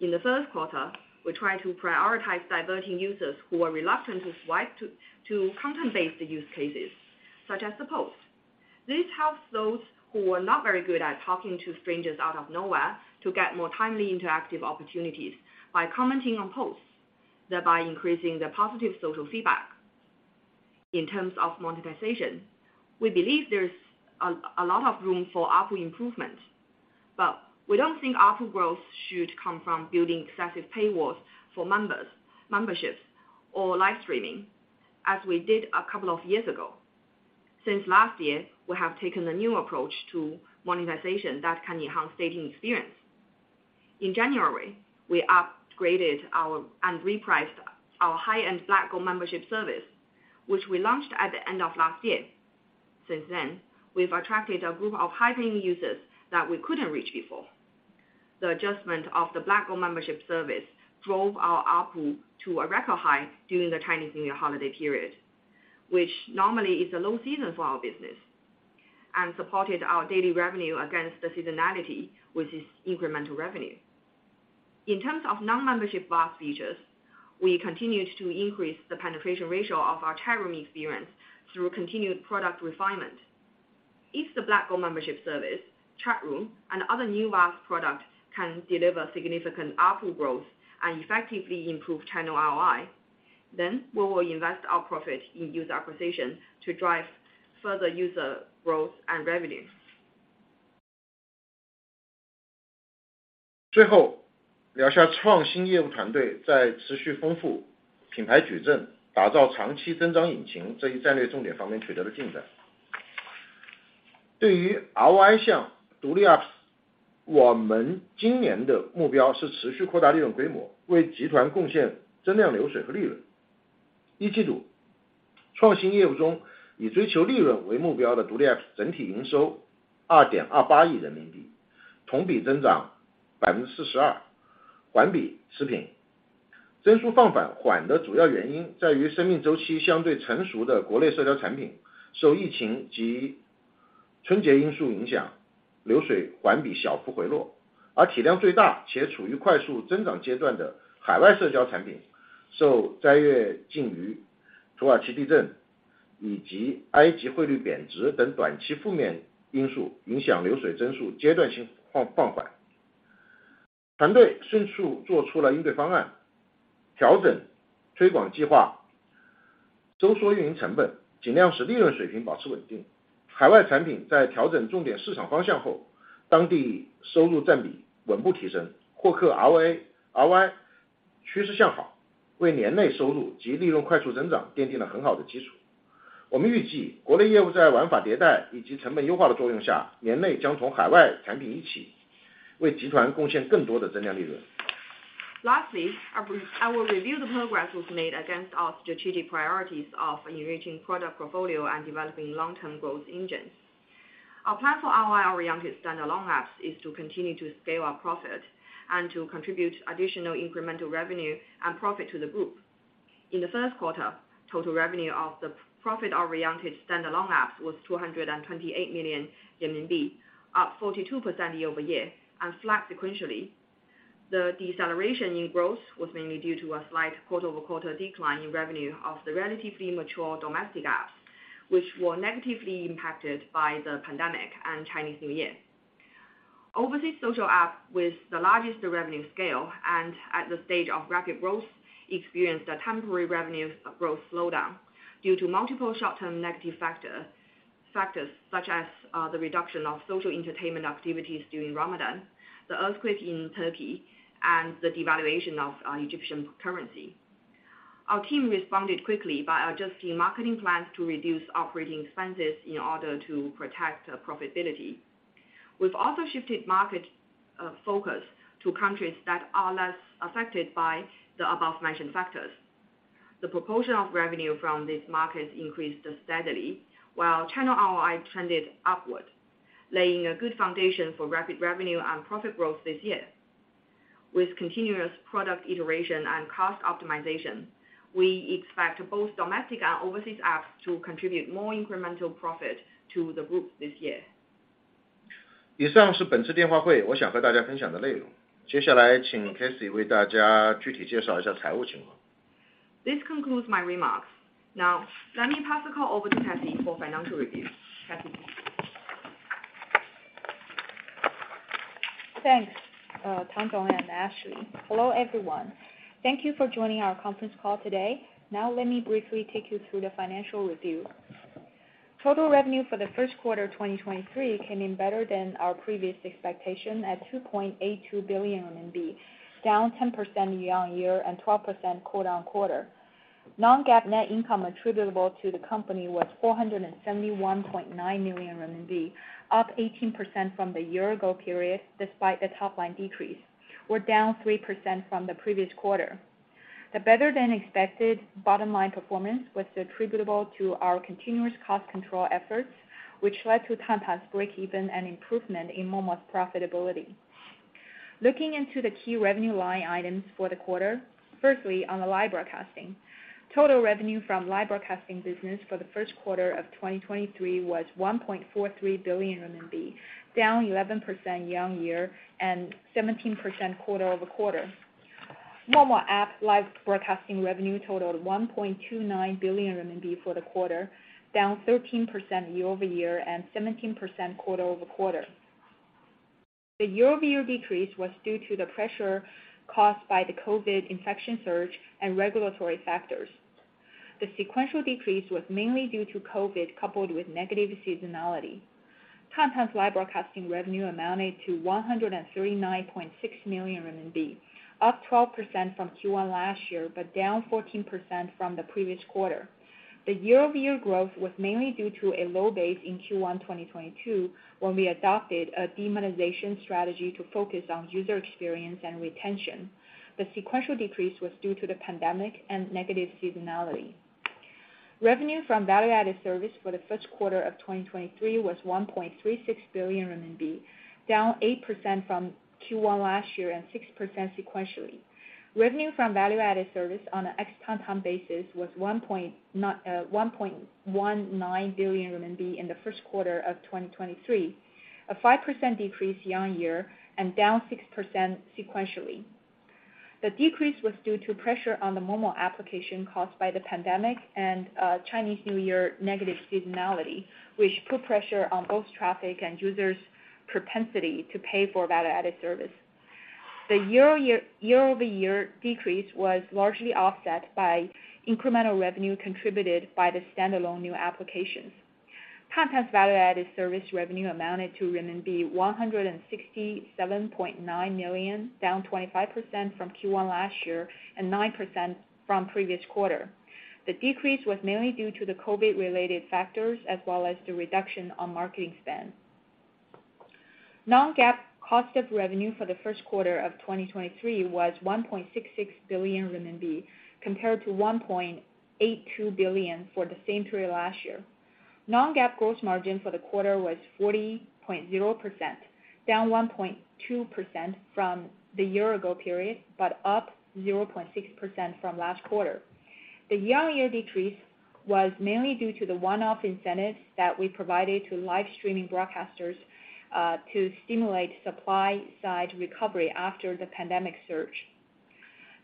In the Q1, we try to prioritize diverting users who are reluctant to swipe to content based use cases such as the post. This helps those who are not very good at talking to strangers out of nowhere to get more timely, interactive opportunities by commenting on posts, thereby increasing the positive social feedback. In terms of monetization, we believe there is a lot of room for ARPU improvement, but we don't think ARPU growth should come from building excessive paywalls for members, memberships or live streaming, as we did a couple of years ago. Since last year, we have taken a new approach to monetization that can enhance dating experience. In January, we upgraded and repriced our high-end Black Gold membership service, which we launched at the end of last year. Since then, we've attracted a group of high-paying users that we couldn't reach before. The adjustment of the Black Gold membership service drove our ARPU to a record high during the Chinese New Year holiday period, which normally is a low season for our business, and supported our daily revenue against the seasonality, which is incremental revenue. In terms of non-membership VAS features, we continued to increase the penetration ratio of our chat room experience through continued product refinement. If the Black Gold membership service, chat room and other new product can deliver significant ARPU growth and effectively improve channel ROI, we will invest our profit in user acquisition to drive further user growth and revenue. 最后聊下创新业务团队在持续丰富品牌矩阵、打造长期增长引擎这一战略重点方面取得的进展。对于 ROI 项独立 apps， 我们今年的目标是持续扩大利润规 模， 为集团贡献增量流水和利润。一季 度， 创新业务中以追求利润为目标的独立 apps， 整体营收二点二八亿人民 币， 同比增长百分之四十 二， 环比持平。增速放缓的主要原因在于生命周期相对成熟的国内社交产品受疫情及......春節因素影 响， 流水环比小幅回落。体量最大且处于快速增长阶段的海外社交产 品， 受 Ramadan 禁渔、Turkey 地震以及 Egypt 汇率贬值等短期负面因素影 响， 流水增速阶段性放缓。团队迅速做出了应对方 案， 调整推广计 划， 收缩运营成 本， 尽量使利润水平保持稳定。海外产品在调整重点市场方向 后， 当地收入占比稳步提 升， 获客 RA，ROI 趋势向 好， 为年内收入及利润快速增长奠定了很好的基础。我们预 计， 国内业务在玩法迭代以及成本优化的作用 下， 年内将从海外产品一起为 Hello Group 贡献更多的增量利润。Lastly, I will review the progress was made against our strategic priorities of enriching product portfolio and developing long-term growth engines. Our plan for our oriented standalone apps is to continue to scale our profit, and to contribute additional incremental revenue and profit to the group. In the Q1, total revenue of the profit-oriented standalone apps was 228 million RMB, up 42% year-over-year and flat sequentially. The deceleration in growth was mainly due to a slight quarter-over-quarter decline in revenue of the relatively mature domestic apps, which were negatively impacted by the pandemic and Chinese New Year. Overseas social app, with the largest revenue scale and at the stage of rapid growth, experienced a temporary revenue growth slowdown due to multiple short-term negative factors, such as the reduction of social entertainment activities during Ramadan, the earthquake in Turkey, and the devaluation of Egyptian currency. Our team responded quickly by adjusting marketing plans to reduce operating expenses in order to protect profitability. We've also shifted market focus to countries that are less affected by the above-mentioned factors. The proportion of revenue from these markets increased steadily, while channel ROI trended upward, laying a good foundation for rapid revenue and profit growth this year. With continuous product iteration and cost optimization, we expect both domestic and overseas apps to contribute more incremental profit to the group this year. 以上是本次电话会我想和大家分享的内容。接下来请 Cassie 为大家具体介绍一下财务情况。This concludes my remarks. Now, let me pass the call over to Cathy for financial review. Cathy, please. Thanks, Tang Yan and Ashley. Hello, everyone. Thank you for joining our conference call today. Now, let me briefly take you through the financial review. Total revenue for the Q1 of 2023 came in better than our previous expectation at 2.82 billion RMB, down 10% year-on-year and 12% quarter-on-quarter. Non-GAAP net income attributable to the company was 471.9 million RMB, up 18% from the year ago period, despite the top line decrease, or down 3% from the previous quarter. The better-than-expected bottom line performance was attributable to our continuous cost control efforts, which led to Tantan's breakeven and improvement in Momo's profitability. Looking into the key revenue line items for the quarter, firstly, on the live broadcasting. Total revenue from live broadcasting business for the Q1 of 2023 was 1.43 billion RMB, down 11% year-over-year and 17% quarter-over-quarter. Momo App live broadcasting revenue totaled 1.29 billion RMB for the quarter, down 13% year-over-year, and 17% quarter-over-quarter. The year-over-year decrease was due to the pressure caused by the COVID infection surge and regulatory factors. The sequential decrease was mainly due to COVID, coupled with negative seasonality. Tantan's live broadcasting revenue amounted to 139.6 million RMB, up 12% from Q1 last year, but down 14% from the previous quarter. The year-over-year growth was mainly due to a low base in Q1 2022, when we adopted a demonetization strategy to focus on user experience and retention. The sequential decrease was due to the pandemic and negative seasonality. Revenue from Value-Added Service for the Q1 of 2023 was 1.36 billion RMB, down 8% from Q1 last year and 6% sequentially. Revenue from Value-Added Service on a ex Tantan basis was 1.19 billion RMB in the Q1 of 2023, a 5% decrease year on year and down 6% sequentially. The decrease was due to pressure on the Momo application caused by the pandemic and Chinese New Year negative seasonality, which put pressure on both traffic and users' propensity to pay for Value-Added Service. The year-over-year decrease was largely offset by incremental revenue contributed by the standalone new applications. Tantan's value-added service revenue amounted to renminbi 167.9 million, down 25% from Q1 last year, and 9% from previous quarter. The decrease was mainly due to the COVID-related factors, as well as the reduction on marketing spend. Non-GAAP cost of revenue for the Q1 of 2023 was 1.66 billion RMB, compared to 1.82 billion for the same period last year. Non-GAAP gross margin for the quarter was 40.0%, down 1.2% from the year ago period, but up 0.6% from last quarter. The year-on-year decrease was mainly due to the one-off incentives that we provided to live streaming broadcasters, to stimulate supply-side recovery after the pandemic surge.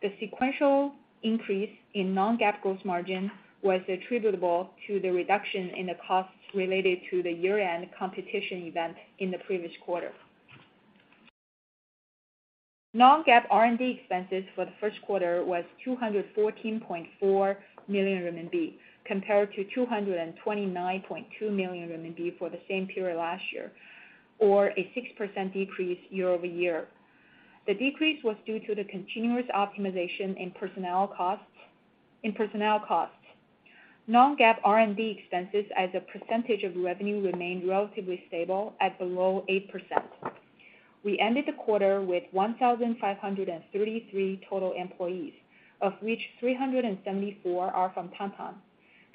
The sequential increase in non-GAAP gross margin was attributable to the reduction in the costs related to the year-end competition event in the previous quarter. Non-GAAP R&D expenses for the Q1 was 214.4 million RMB, compared to 229.2 million RMB for the same period last year, or a 6% decrease year-over-year. The decrease was due to the continuous optimization in personnel costs. Non-GAAP R&D expenses as a percentage of revenue, remained relatively stable at below 8%. We ended the quarter with 1,533 total employees, of which 374 are from Tantan,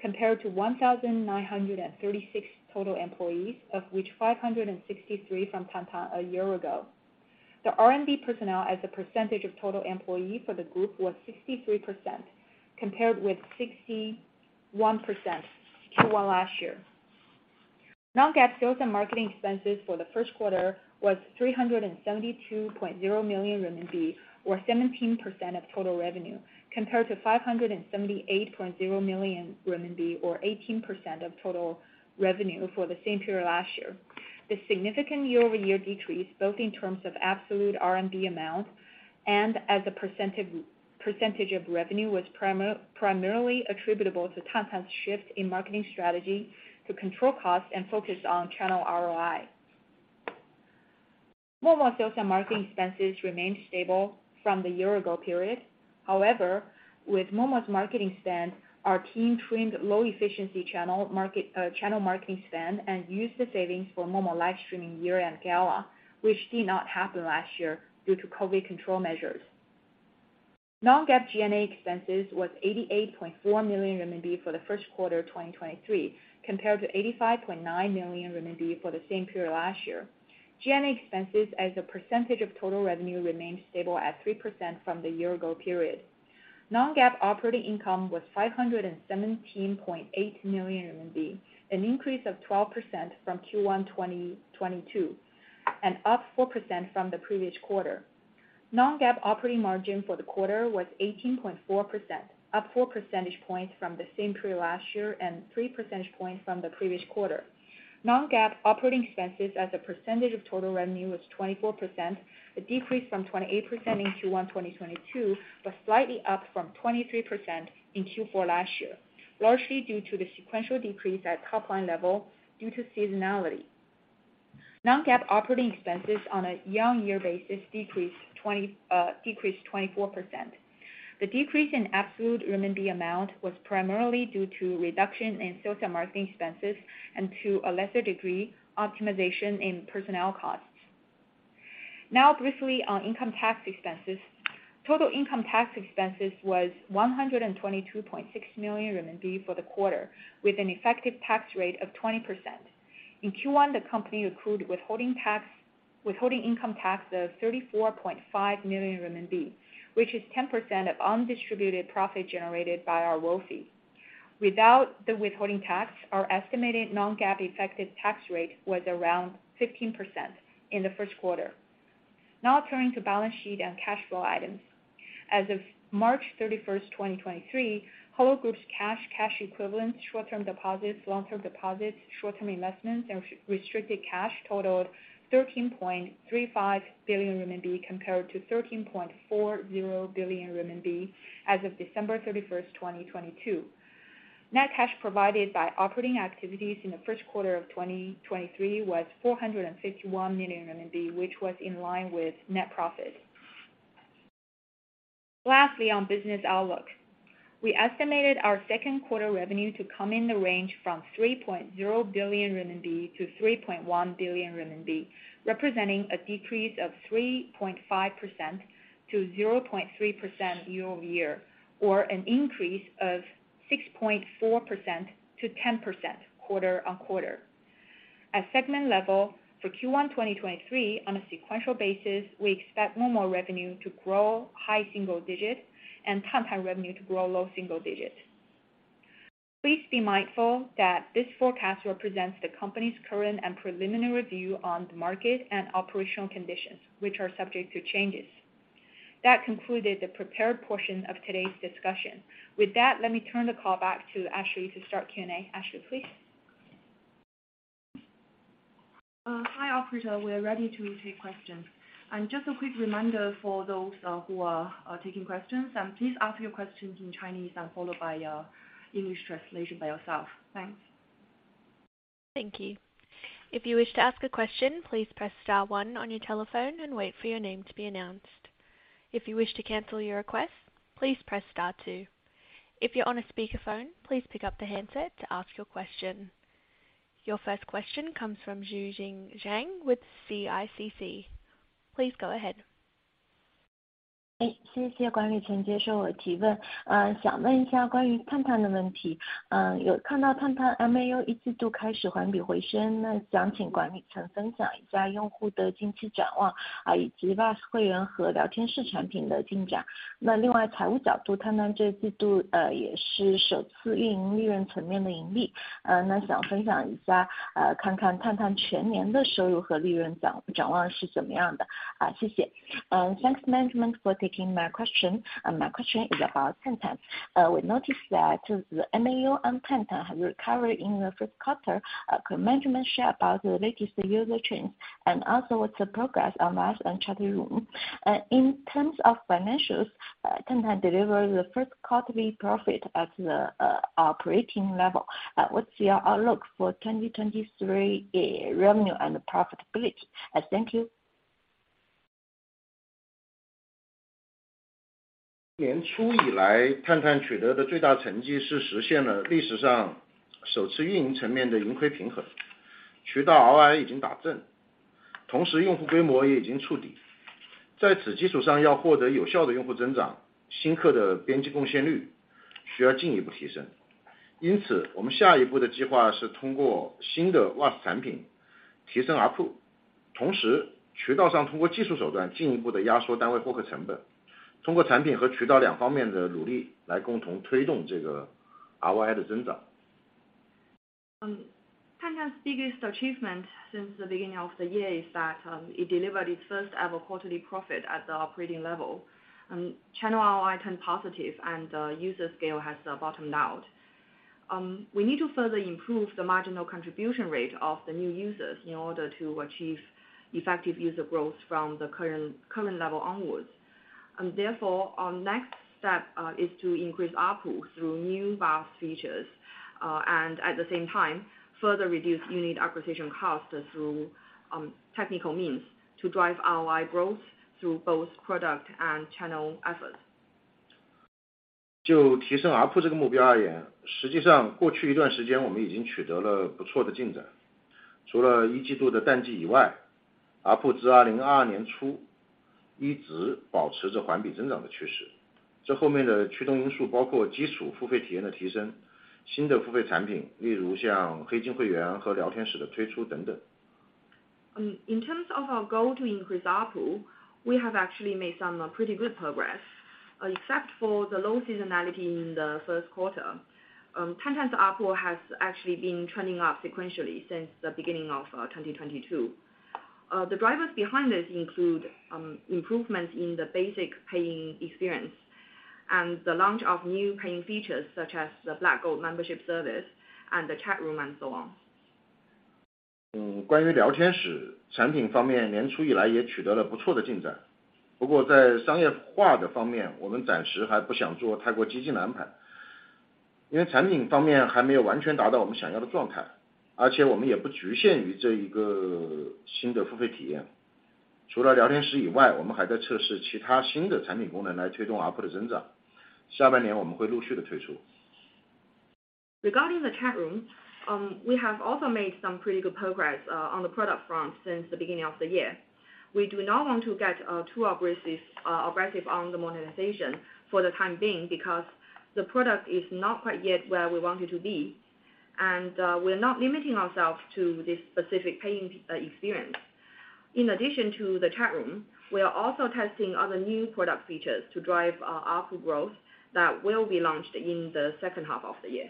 compared to 1,936 total employees, of which 563 from Tantan a year ago. The R&D personnel as a percentage of total employees for the group, was 63%, compared with 61% Q1 last year. Non-GAAP sales and marketing expenses for the Q1 was 372.0 million RMB, or 17% of total revenue, compared to 578.0 million RMB, or 18% of total revenue for the same period last year. The significant year-over-year decrease, both in terms of absolute RMB amount and as a percentage of revenue, was primarily attributable to Tantan's shift in marketing strategy to control costs and focus on channel ROI. Momo sales and marketing expenses remained stable from the year ago period. However, with Momo's marketing spend, our team trimmed low efficiency channel market. channel marketing spend and used the savings for Momo Live Streaming Year-End Gala, which did not happen last year due to COVID control measures. Non-GAAP G&A expenses was 88.4 million RMB for the Q1 of 2023, compared to 85.9 million RMB for the same period last year. G&A expenses as a percentage of total revenue, remained stable at 3% from the year ago period. Non-GAAP operating income was 517.8 million RMB, an increase of 12% from Q1 2022, and up 4% from the previous quarter. Non-GAAP operating margin for the quarter was 18.4%, up four percentage points from the same period last year, and three percentage points from the previous quarter. Non-GAAP operating expenses as a percentage of total revenue was 24%, a decrease from 28% in Q1 2022, but slightly up from 23% in Q4 last year, largely due to the sequential decrease at top line level due to seasonality. Non-GAAP operating expenses on a year-on-year basis decreased 24%. The decrease in absolute RMB amount was primarily due to reduction in sales and marketing expenses, and to a lesser degree, optimization in personnel costs. Briefly on income tax expenses. Total income tax expenses was 122.6 million renminbi for the quarter, with an effective tax rate of 20%. In Q1, the company accrued withholding tax, withholding income tax of 34.5 million RMB, which is 10% of undistributed profit generated by our WFOE. Without the withholding tax, our estimated Non-GAAP effective tax rate was around 15% in the Q1. Turning to balance sheet and cash flow items. As of March 31, 2023, Hello Group's cash equivalents, short-term deposits, long-term deposits, short-term investments, and restricted cash totaled 13.35 billion RMB, compared to 13.40 billion RMB as of December 31, 2022. Net cash provided by operating activities in the Q1 of 2023 was 451 million RMB, which was in line with net profit. On business outlook. We estimated our Q2 revenue to come in the range from 3.0 billion-3.1 billion RMB, representing a decrease of 3.5%-0.3% year-over-year, or an increase of 6.4%-10% quarter-on-quarter. At segment level, for Q1 2023 on a sequential basis, we expect normal revenue to grow high single digits and Tantan revenue to grow low single digits. Please be mindful that this forecast represents the company's current and preliminary view on the market and operational conditions, which are subject to changes. That concluded the prepared portion of today's discussion. With that, let me turn the call back to Ashley to start Q&A. Ashley, please? Hi, Operator. We are ready to take questions. Just a quick reminder for those who are taking questions, please ask your questions in Chinese and followed by English translation by yourself. Thanks. Thank you. If you wish to ask a question, please press star one on your telephone and wait for your name to be announced. If you wish to cancel your request, please press star two. If you're on a speakerphone, please pick up the handset to ask your question. Your first question comes from Xueqing Zhang with CICC. Please go ahead. ... 哎， 谢谢管理层接受我的提问。啊， 想问一下关于探探的问 题， 嗯， 有看到探探 MAU 一季度开始环比回 升， 那想请管理层分享一下用户的近期展 望， 啊以及 VAS 会员和聊天室产品的进展。那另外财务角 度， 探探这季 度， 呃， 也是首次运营利润层面的盈利。呃， 那想分享一 下， 呃， 看看探探全年的收入和利润 涨， 展望是怎么样 的， 啊， 谢谢。Um, thanks management for taking my question. My question is about Tantan. We notice that the MAU and Tantan have recovered in the Q1. Could management share about the latest user trends, and also what's the progress on last and chat room? In terms of financials, Tantan deliver the first quarterly profit at the operating level. What's your outlook for 2023 revenue and profitability? Thank you. 年初以 来, Tantan 取得的最大成绩是实现了历史上首次运营层面的盈亏平 衡, 渠道 ROI 已经打 正, 同时用户规模也已经触 底. 在此基础 上, 要获得有效的用户增 长, 新客的边际贡献率需要进一步提 升. 我们下一步的计划是通过新的 VAS 产品提升 ARPU. 渠道上通过技术手段进一步地压缩单位获客成 本, 通过产品和渠道两方面的努力来共同推动这个 ROI 的增 长. Tantan's biggest achievement since the beginning of the year is that it delivered its first ever quarterly profit at the operating level. Channel ROI turned positive and user scale has bottomed out. We need to further improve the marginal contribution rate of the new users in order to achieve effective user growth from the current level onwards. Therefore, our next step is to increase ARPU through new VAS features, and at the same time, further reduce unit acquisition cost through technical means to drive ROI growth through both product and channel efforts. 就提升 ARPU 这个目标而 言， 实际上过去一段时间我们已经取得了不错的进展。除了一季度的淡季以外 ，ARPU 自2022年初一直保持着环比增长的趋势。这后面的驱动因素包括基础付费体验的提 升， 新的付费产 品， 例如像黑金会员和聊天室的推出等等。In terms of our goal to increase ARPU, we have actually made some pretty good progress, except for the low seasonality in the Q1. Tantan's ARPU has actually been trending up sequentially since the beginning of 2022. The drivers behind this include improvements in the basic paying experience and the launch of new paying features, such as the Black Gold membership service and the chat room, and so on. 关于聊天室产品方 面， 年初以来也取得了不错的进 展. 在商业化的方 面， 我们暂时还不想做太过激进的安 排， 因为产品方面还没有完全达到我们想要的状 态， 而且我们也不局限于这一个新的付费体 验. 除了聊天室以 外， 我们还在测试其他新的产品功能来推动 ARPU 的增 长， 下半年我们会陆续地推 出. Regarding the chat room, we have also made some pretty good progress on the product front since the beginning of the year. We do not want to get too aggressive on the monetization for the time being, because the product is not quite yet where we want it to be. We're not limiting ourselves to this specific paying experience. In addition to the chat room, we are also testing other new product features to drive ARPU growth that will be launched in the second half of the year.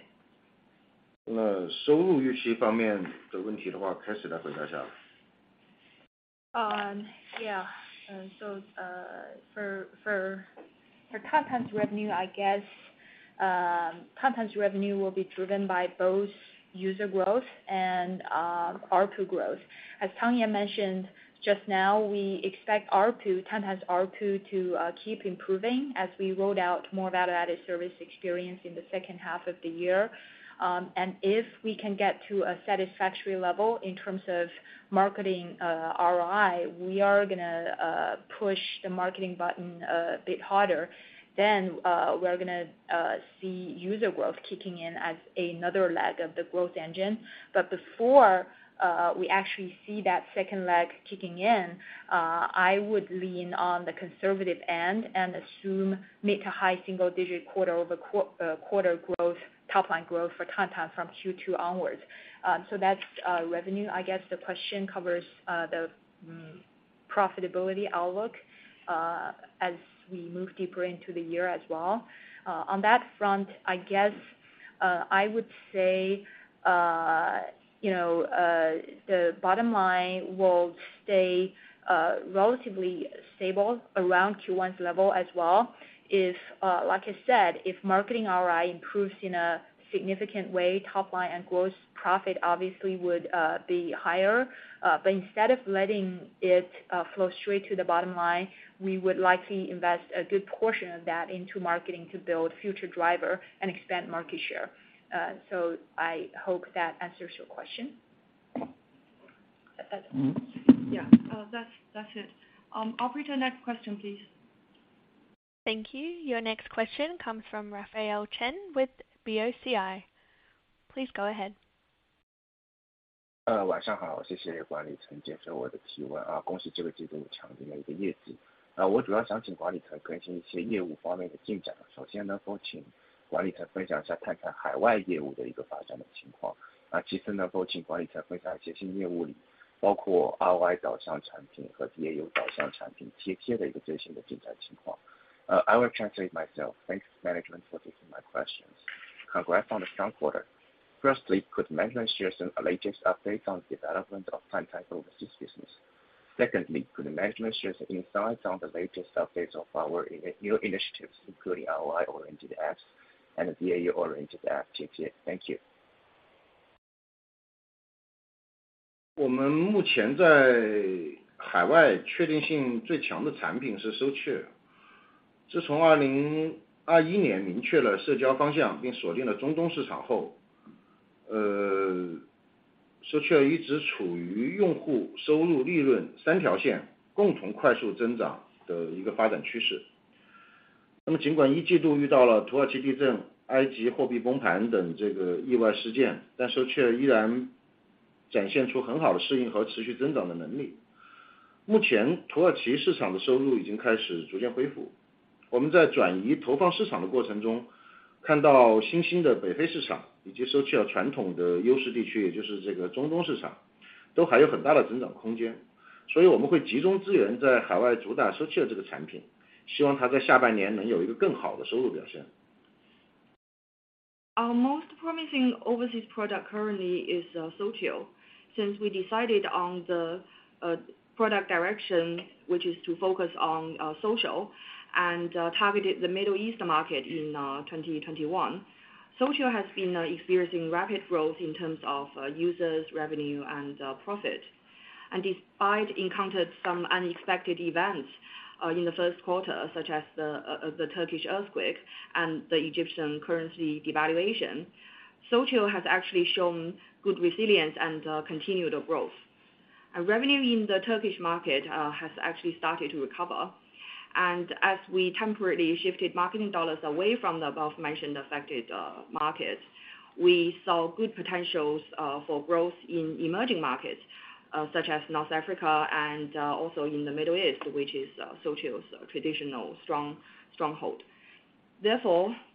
收入预期方面的问题的 话, Cathy 来回答一 下. Yeah. For Tantan's revenue, I guess, Tantan's revenue will be driven by both user growth and ARPU growth. As Tang Yan mentioned, just now, we expect ARPU, Tantan's ARPU to keep improving as we roll out more Value-Added Service experience in the second half of the year. If we can get to a satisfactory level in terms of marketing ROI, we are gonna push the marketing button a bit harder, we're gonna see user growth kicking in as another leg of the growth engine. Before we actually see that second leg kicking in, I would lean on the conservative end and assume mid to high single digit quarter-over-quarter growth, top line growth for Tantan from Q2 onwards. That's revenue. I guess the question covers the profitability outlook as we move deeper into the year as well. On that front, I guess, I would say, you know, the bottom line will stay relatively stable around Q1's level as well, if, like I said, if marketing ROI improves in a significant way, top line and gross profit obviously would be higher. Instead of letting it flow straight to the bottom line, we would likely invest a good portion of that into marketing to build future driver and expand market share. I hope that answers your question. Yeah, that's it. operator, next question, please. Thank you. Your next question comes from Raphael Chen with BOCI. Please go ahead. 晚上好，谢谢管理层接受我的提问，恭喜这个季度强劲的一个业绩。我主要想请管理层更新一些业务方面的进展。首先，请管理层分享一下Tantan海外业务的一个发展的情况。其次，请管理层分享一些新业务里，包括ROI导向产品和DAU导向产品Tietie的一个最新的进展情况。I will translate myself. Thanks management for taking my questions. Congrats on the Q3! Firstly, could management share some latest updates on the development of overseas business. Secondly, could management share the insights on the latest updates of our new initiatives, including ROI oriented apps and DAU oriented apps. Thank you. 我们目前在海外确定性最强的产品是社趣。自从2021年明确了社交方 向， 并锁定了中东市场 后， 社趣一直处于用户、收入、利润3条线共同快速增长的一个发展趋势。尽管1季度遇到了土耳其地震、埃及货币崩盘等这个意外事 件， 社趣依然展现出很好的适应和持续增长的能力。]目 前， 土耳其市场的收入已经开始逐渐恢 复， 我们在转移投放市场的过程 中， 看到新兴的北非市 场， 以及社趣传统的优势地 区， 也就是这个中东市 场， 都还有很大的增长空间。我们会集中资源在海外主打社趣了这个产 品， 希望它在下半年能有一个更好的收入表现。Our most promising overseas product currently is SoulChill. Since we decided on the product direction, which is to focus on social and targeted the Middle East market in 2021, SoulChill has been experiencing rapid growth in terms of users, revenue, and profit. Despite encountered some unexpected events in the Q1, such as the Turkish earthquake and the Egyptian currency devaluation, SoulChill has actually shown good resilience and continued growth. Revenue in the Turkish market has actually started to recover. As we temporarily shifted marketing dollars away from the above mentioned affected markets, we saw good potentials for growth in emerging markets such as North Africa and also in the Middle East, which is SoulChill's traditional strong stronghold.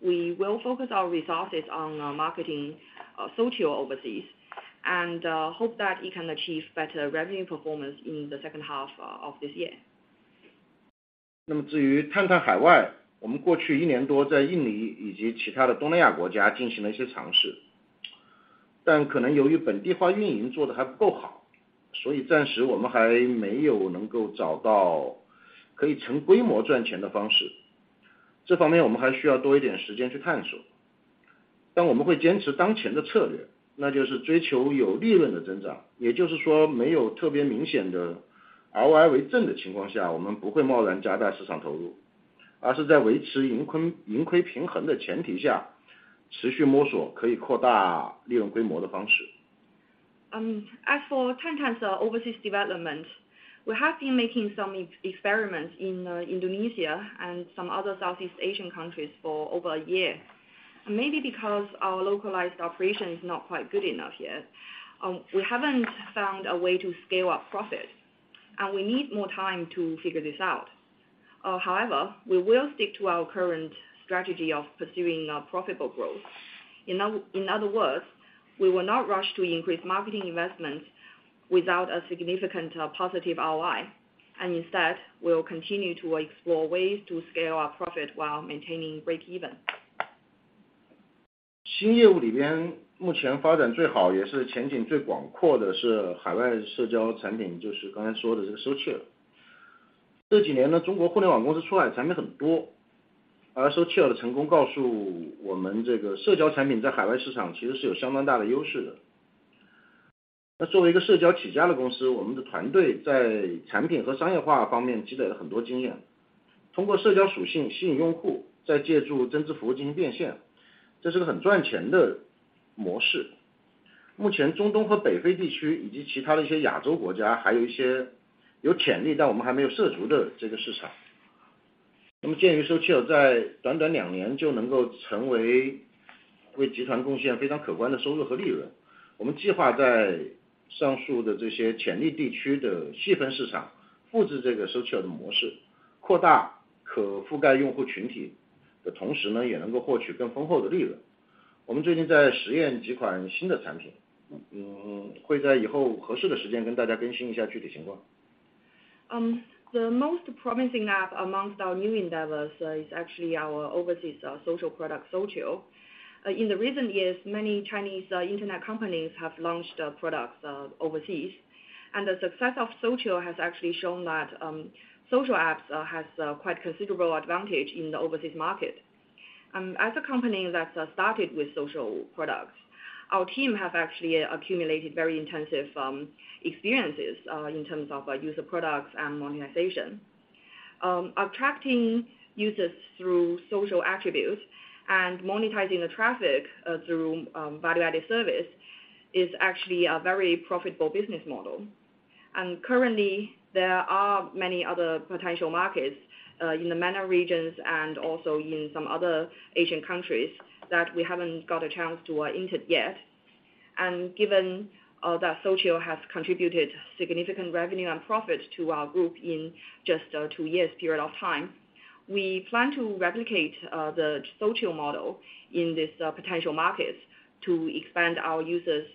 We will focus our resources on marketing SoulChill overseas and hope that it can achieve better revenue performance in the second half of this year. 至于 Tantan 海 外， 我们过去1年多在印尼以及其他的东南亚国家进行了一些尝 试， 但可能由于本地化运营做得还不够 好， 所以暂时我们还没有能够找到可以成规模赚钱的方 式， 这方面我们还需要多1点时间去探索。我们会坚持当前的策 略， 那就是追求有利润的增长。也就是 说， 没有特别明显的 ROI 为正的情况 下， 我们不会贸然加大市场投 入， 而是在维持盈亏平衡的前提 下， 持续摸索可以扩大利润规模的方式。As for Tantan's overseas development, we have been making some experiments in Indonesia and some other Southeast Asian countries for over a year. Maybe because our localized operation is not quite good enough yet, we haven't found a way to scale up profit, and we need more time to figure this out. However, we will stick to our current strategy of pursuing a profitable growth. In other words, we will not rush to increase marketing investments without a significant positive ROI, and instead, we will continue to explore ways to scale our profit while maintaining breakeven. 新业务里边目前发展最 好， 也是前景最广阔的是海外社交产 品， 就是刚才说的这个 SoulChill 了. 这几年 呢， 中国互联网公司出海的产品很 多， SoulChill 的成功告诉我 们， 这个社交产品在海外市场其实是有相当大的优势 的. 作为一个社交起家的公 司， 我们的团队在产品和商业化方面积累了很多经 验， 通过社交属性吸引用 户， 再借助 VAS 进行变 现， 这是个很赚钱的模 式. 目前中东和北非地区以及其他的一些亚洲国家 ，还 有一些有潜力但我们还没有涉足的这个市 场. 鉴于 SoulChill 在短短2年就能够成为为 Hello Group 贡献非常可观的收入和利 润， 我们计划在上述的这些潜力地区的细分市场复制这个 SoulChill 的模 式， 扩大可覆盖用户群体的同时 呢， 也能够获取更丰厚的利 润. 我们最近在实验几款新的产 品. 会在以后合适的时间跟大家更新一下具体情况。The most promising app amongst our new endeavors is actually our overseas social product, SoulChill. In the recent years, many Chinese internet companies have launched products overseas, and the success of SoulChill has actually shown that social apps have quite considerable advantage in the overseas market. As a company that's started with social products, our team has actually accumulated very intensive experiences in terms of user products and monetization. Attracting users through social attributes and monetizing the traffic through Value-Added Service is actually a very profitable business model. Currently, there are many other potential markets in the MENA regions and also in some other Asian countries that we haven't got a chance to entered yet. Given that SoulChill has contributed significant revenue and profit to our group in just two years period of time, we plan to replicate the social model in this potential markets to expand our users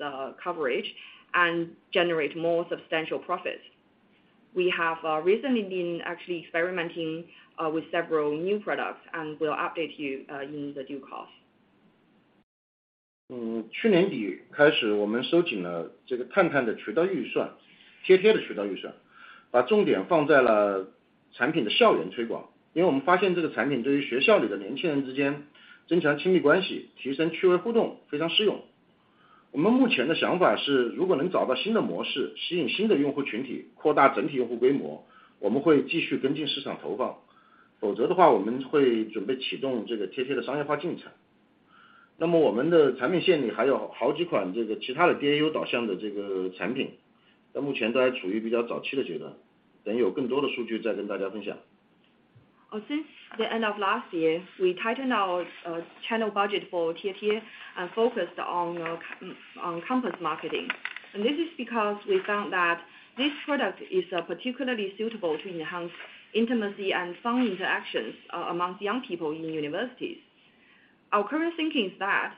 coverage and generate more substantial profits. We have recently been actually experimenting with several new products, and we'll update you in the due course. 去年底开 始, 我们收紧了这个 Tantan 的渠道预 算, 贴贴的渠道预 算, 把重点放在了产品的校园推 广. 我们发现这个产品对于学校里的年轻人之间增强亲密关 系, 提升趣味互动非常适 用. 我们目前的想法 是, 如果能找到新的模 式, 吸引新的用户群 体, 扩大整体用户规 模, 我们会继续跟进市场投 放. 我们会准备启动这个贴贴的商业化进 程. 我们的产品线里还有好几款这个其他的 DAU 导向的这个产 品, 但目前都还处于比较早期的阶 段, 等有更多的数据再跟大家分 享. Since the end of last year, we tightened our channel budget for Tantan and focused on campus marketing. This is because we found that this product is particularly suitable to enhance intimacy and fun interactions amongst young people in universities. Our current thinking is that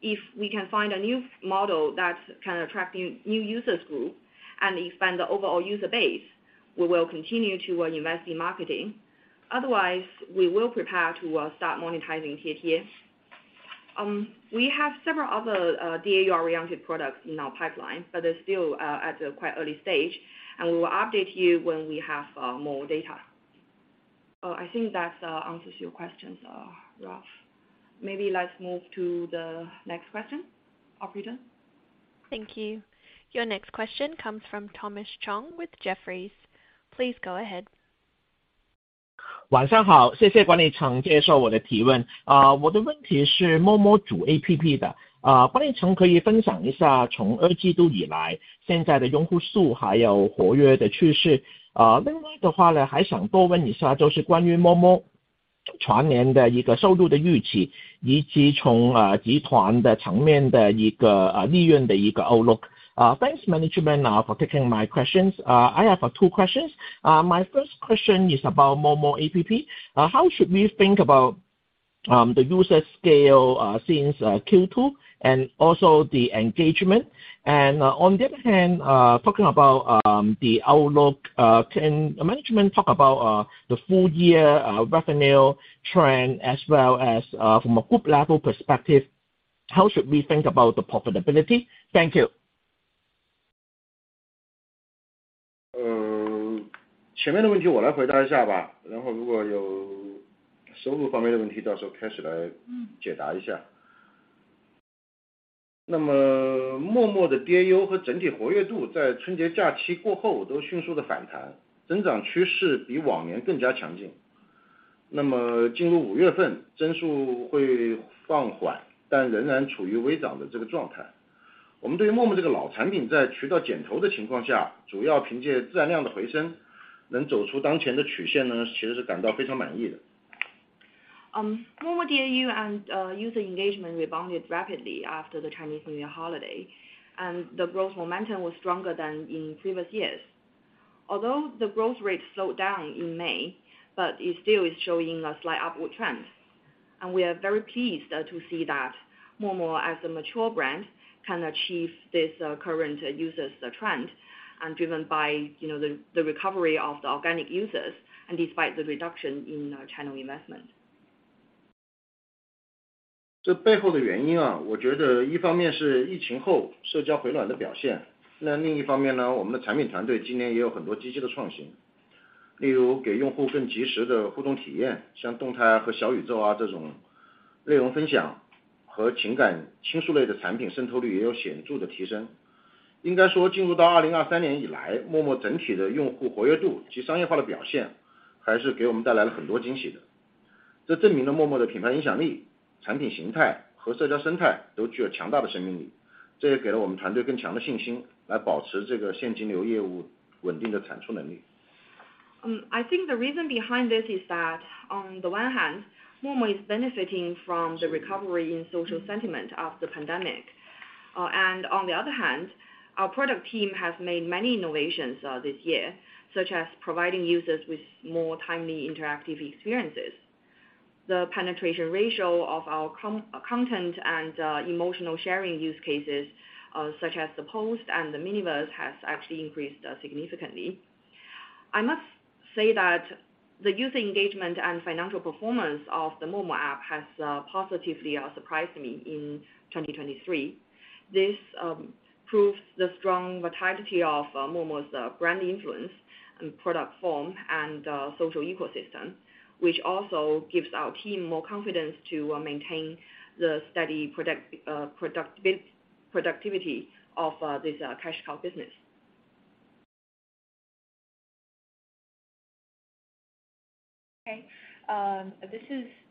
if we can find a new model that can attract new users group and expand the overall user base, we will continue to invest in marketing. Otherwise, we will prepare to start monetizing Tantan. We have several other DAU-oriented products in our pipeline, but they're still at a quite early stage, and we will update you when we have more data. I think that answers your questions, Ralph. Maybe let's move to the next question. Operator? Thank you. Your next question comes from Thomas Chong with Jefferies. Please go ahead. 晚上 好， 谢谢管理层接受我的提问。我的问题是 Momo 主 app 的， 管理层可以分享一下从二季度以 来， 现在的用户 数， 还有活跃的趋势。另外的话 呢， 还想多问一 下， 就是关于 Momo 全年的一个收入的预 期， 以及从集团的层面的一 个， 利润的一个 outlook. Thanks, management, for taking my questions. I have two questions. My first question is about Momo app. How should we think about the user scale since Q2, and also the engagement? On the other hand, talking about the outlook, can management talk about the full year revenue trend, as well as from a group level perspective, how should we think about the profitability? Thank you. 呃... 前面的问题我来回答一下吧。如果有收入方面的 问题，到时候 开始来解答 一下。Momo 的 DAU 和整体活跃度在春节假期过后都迅速的 反弹，增长 趋势比往年更加强劲。进入 May 份，增速 会 放缓，但 仍然处于微涨的这个状态。我们对于 Momo 这个老产品在渠道减投的 情况下，主要 凭借自然量的回升能走出当前的 曲线，其实 是感到非常满意的。Momo DAU and user engagement rebounded rapidly after the Chinese New Year holiday, and the growth momentum was stronger than in previous years. Although the growth rate slowed down in May, but it still is showing a slight upward trend. We are very pleased to see that Momo, as a mature brand, can achieve this current users trend, and driven by, you know, the recovery of the organic users, and despite the reduction in our channel investment. 这背后的原因 啊， 我觉得一方面是疫情后社交回暖的表 现， 那另一方面 呢， 我们的产品团队今年也有很多积极的创 新， 例如给用户更及时的互动体 验， 像动态和小宇宙啊这种内容分享和情感倾诉类的产 品， 渗透率也有显著的提升。应该说进入到2023年以来 ，Momo 整体的用户活跃度及商业化的表现还是给我们带来了很多惊喜的。这证明了 Momo 的品牌影响力、产品形态和社交生态都具有强大的生命 力， 这也给了我们团队更强的信 心， 来保持这个现金流业务稳定的产出能力。I think the reason behind this is that, on the one hand, Momo is benefiting from the recovery in social sentiment after pandemic. On the other hand, our product team has made many innovations this year, such as providing users with more timely interactive experiences. The penetration ratio of our content and emotional sharing use cases, such as the Post and the Miniverse, has actually increased significantly. I must say that the user engagement and financial performance of the Momo app has positively surprised me in 2023. This proves the strong vitality of Momo's brand influence and product form, and social ecosystem, which also gives our team more confidence to maintain the steady product productivity of this cash cow business. Okay,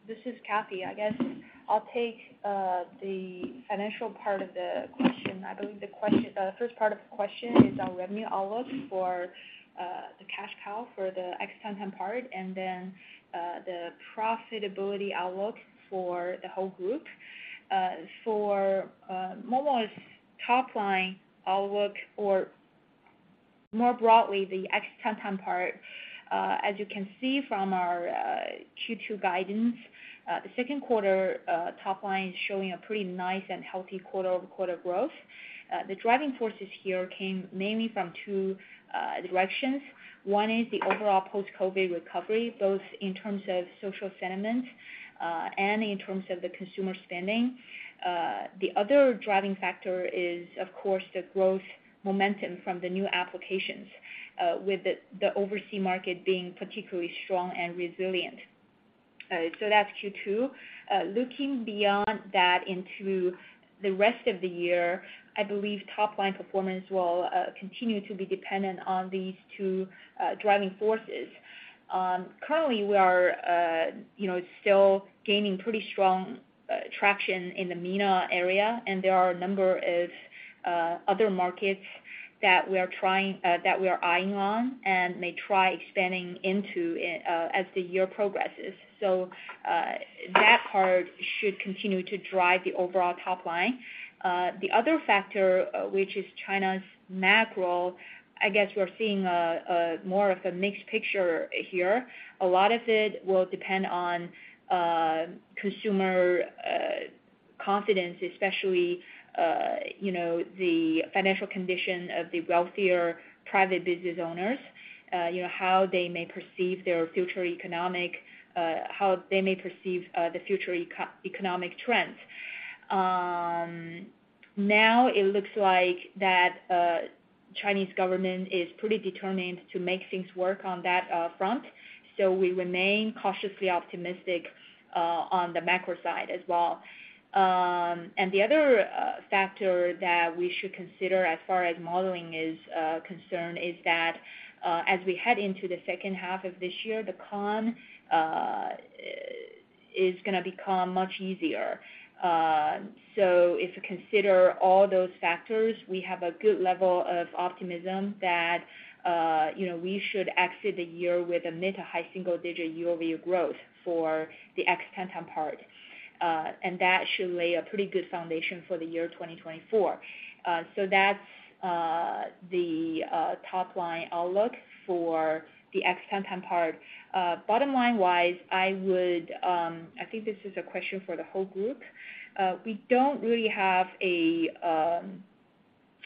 this is Cathy. I guess I'll take the financial part of the question. I believe the first part of the question is our revenue outlook for the cash cow for the X Tantan part, and then the profitability outlook for the whole group. For Momo's top line outlook, or more broadly, the X Tantan part, as you can see from our Q2 guidance, the Q2 top line is showing a pretty nice and healthy quarter-over-quarter growth. The driving forces here came mainly from 2 directions. One is the overall post-COVID recovery, both in terms of social sentiment, and in terms of the consumer spending. factor is, of course, the growth momentum from the new applications, with the overseas market being particularly strong and resilient. That's Q2. Looking beyond that into the rest of the year, I believe top-line performance will continue to be dependent on these two driving forces. Currently, we are, you know, still gaining pretty strong traction in the MENA area, and there are a number of other markets that we are eyeing on and may try expanding into as the year progresses. That part should continue to drive the overall top line. The other factor, which is China's macro, I guess we're seeing a more of a mixed picture here A lot of it will depend on consumer confidence, especially, you know, the financial condition of the wealthier private business owners. You know, how they may perceive their future economic, how they may perceive the future economic trends. Now it looks like that Chinese government is pretty determined to make things work on that front, so we remain cautiously optimistic on the macro side as well. The other factor that we should consider as far as modeling is concerned, is that as we head into the second half of this year, the con is gonna become much easier. If you consider all those factors, we have a good level of optimism that, you know, we should exit the year with a mid to high single digit year-over-year growth for the X Tantan part. That should lay a pretty good foundation for the year 2024. That's the top line outlook for the X Tantan part. Bottom line-wise, I would I think this is a question for the whole group. We don't really have a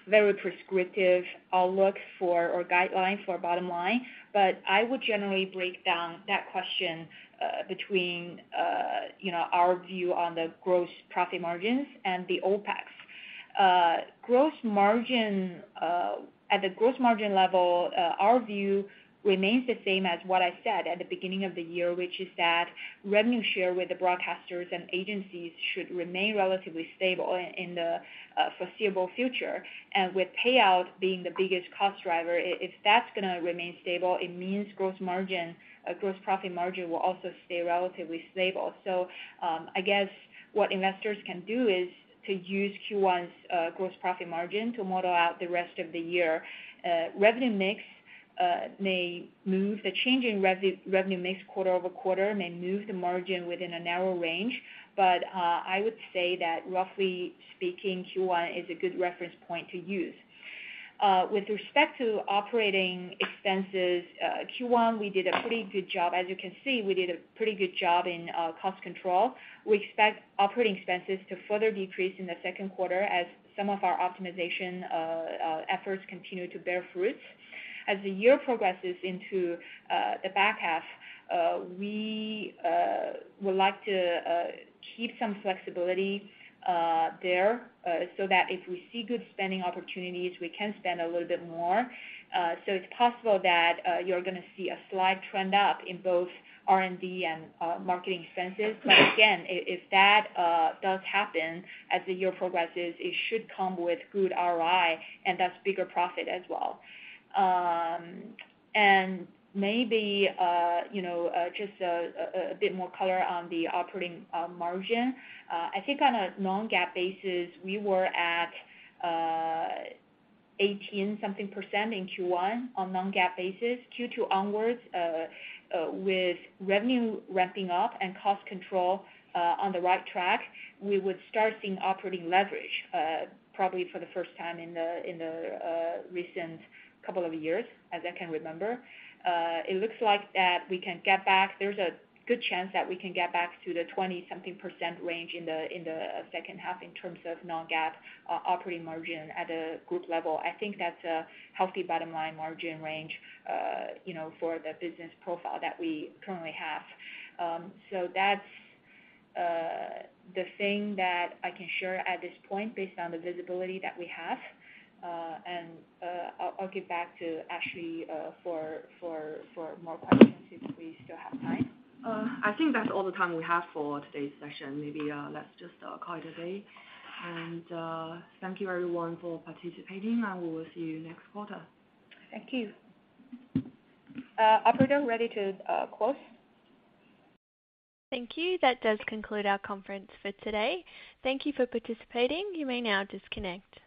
very prescriptive outlook for, or guideline for bottom line, but I would generally break down that question, between, you know, our view on the gross profit margins and the OpEx. Gross margin at the gross margin level, our view remains the same as what I said at the beginning of the year, which is that revenue share with the broadcasters and agencies should remain relatively stable in the foreseeable future. With payout being the biggest cost driver, if that's gonna remain stable, it means gross margin, gross profit margin, will also stay relatively stable. I guess what investors can do is to use Q1's gross profit margin to model out the rest of the year. Revenue mix may move. The change in revenue mix quarter-over-quarter may move the margin within a narrow range, but I would say that roughly speaking, Q1 is a good reference point to use. With respect to operating expenses, Q1, we did a pretty good job. As you can see, we did a pretty good job in cost control. We expect operating expenses to further decrease in the Q2 as some of our optimization efforts continue to bear fruit. As the year progresses into the back half, we would like to keep some flexibility there so that if we see good spending opportunities, we can spend a little bit more. It's possible that you're gonna see a slight trend up in both R&D and marketing expenses. Again, if that does happen as the year progresses, it should come with good ROI, and that's bigger profit as well. Maybe, you know, just a bit more color on the operating margin. I think on a Non-GAAP basis, we were at 18-something% in Q1 on Non-GAAP basis. Q2 onwards, with revenue ramping up and cost control on the right track, we would start seeing operating leverage, probably for the first time in the, in the recent couple of years, as I can remember. There's a good chance that we can get back to the 20-something% range in the, in the second half in terms of Non-GAAP operating margin at a group level. I think that's a healthy bottom line margin range, you know, for the business profile that we currently have. That's the thing that I can share at this point, based on the visibility that we have. I'll give back to Ashley, for more questions if we still have time. I think that's all the time we have for today's session. Maybe, let's just, call it a day. Thank you everyone for participating, and we will see you next quarter. Thank you. operator, ready to close? Thank you. That does conclude our conference for today. Thank you for participating. You may now disconnect.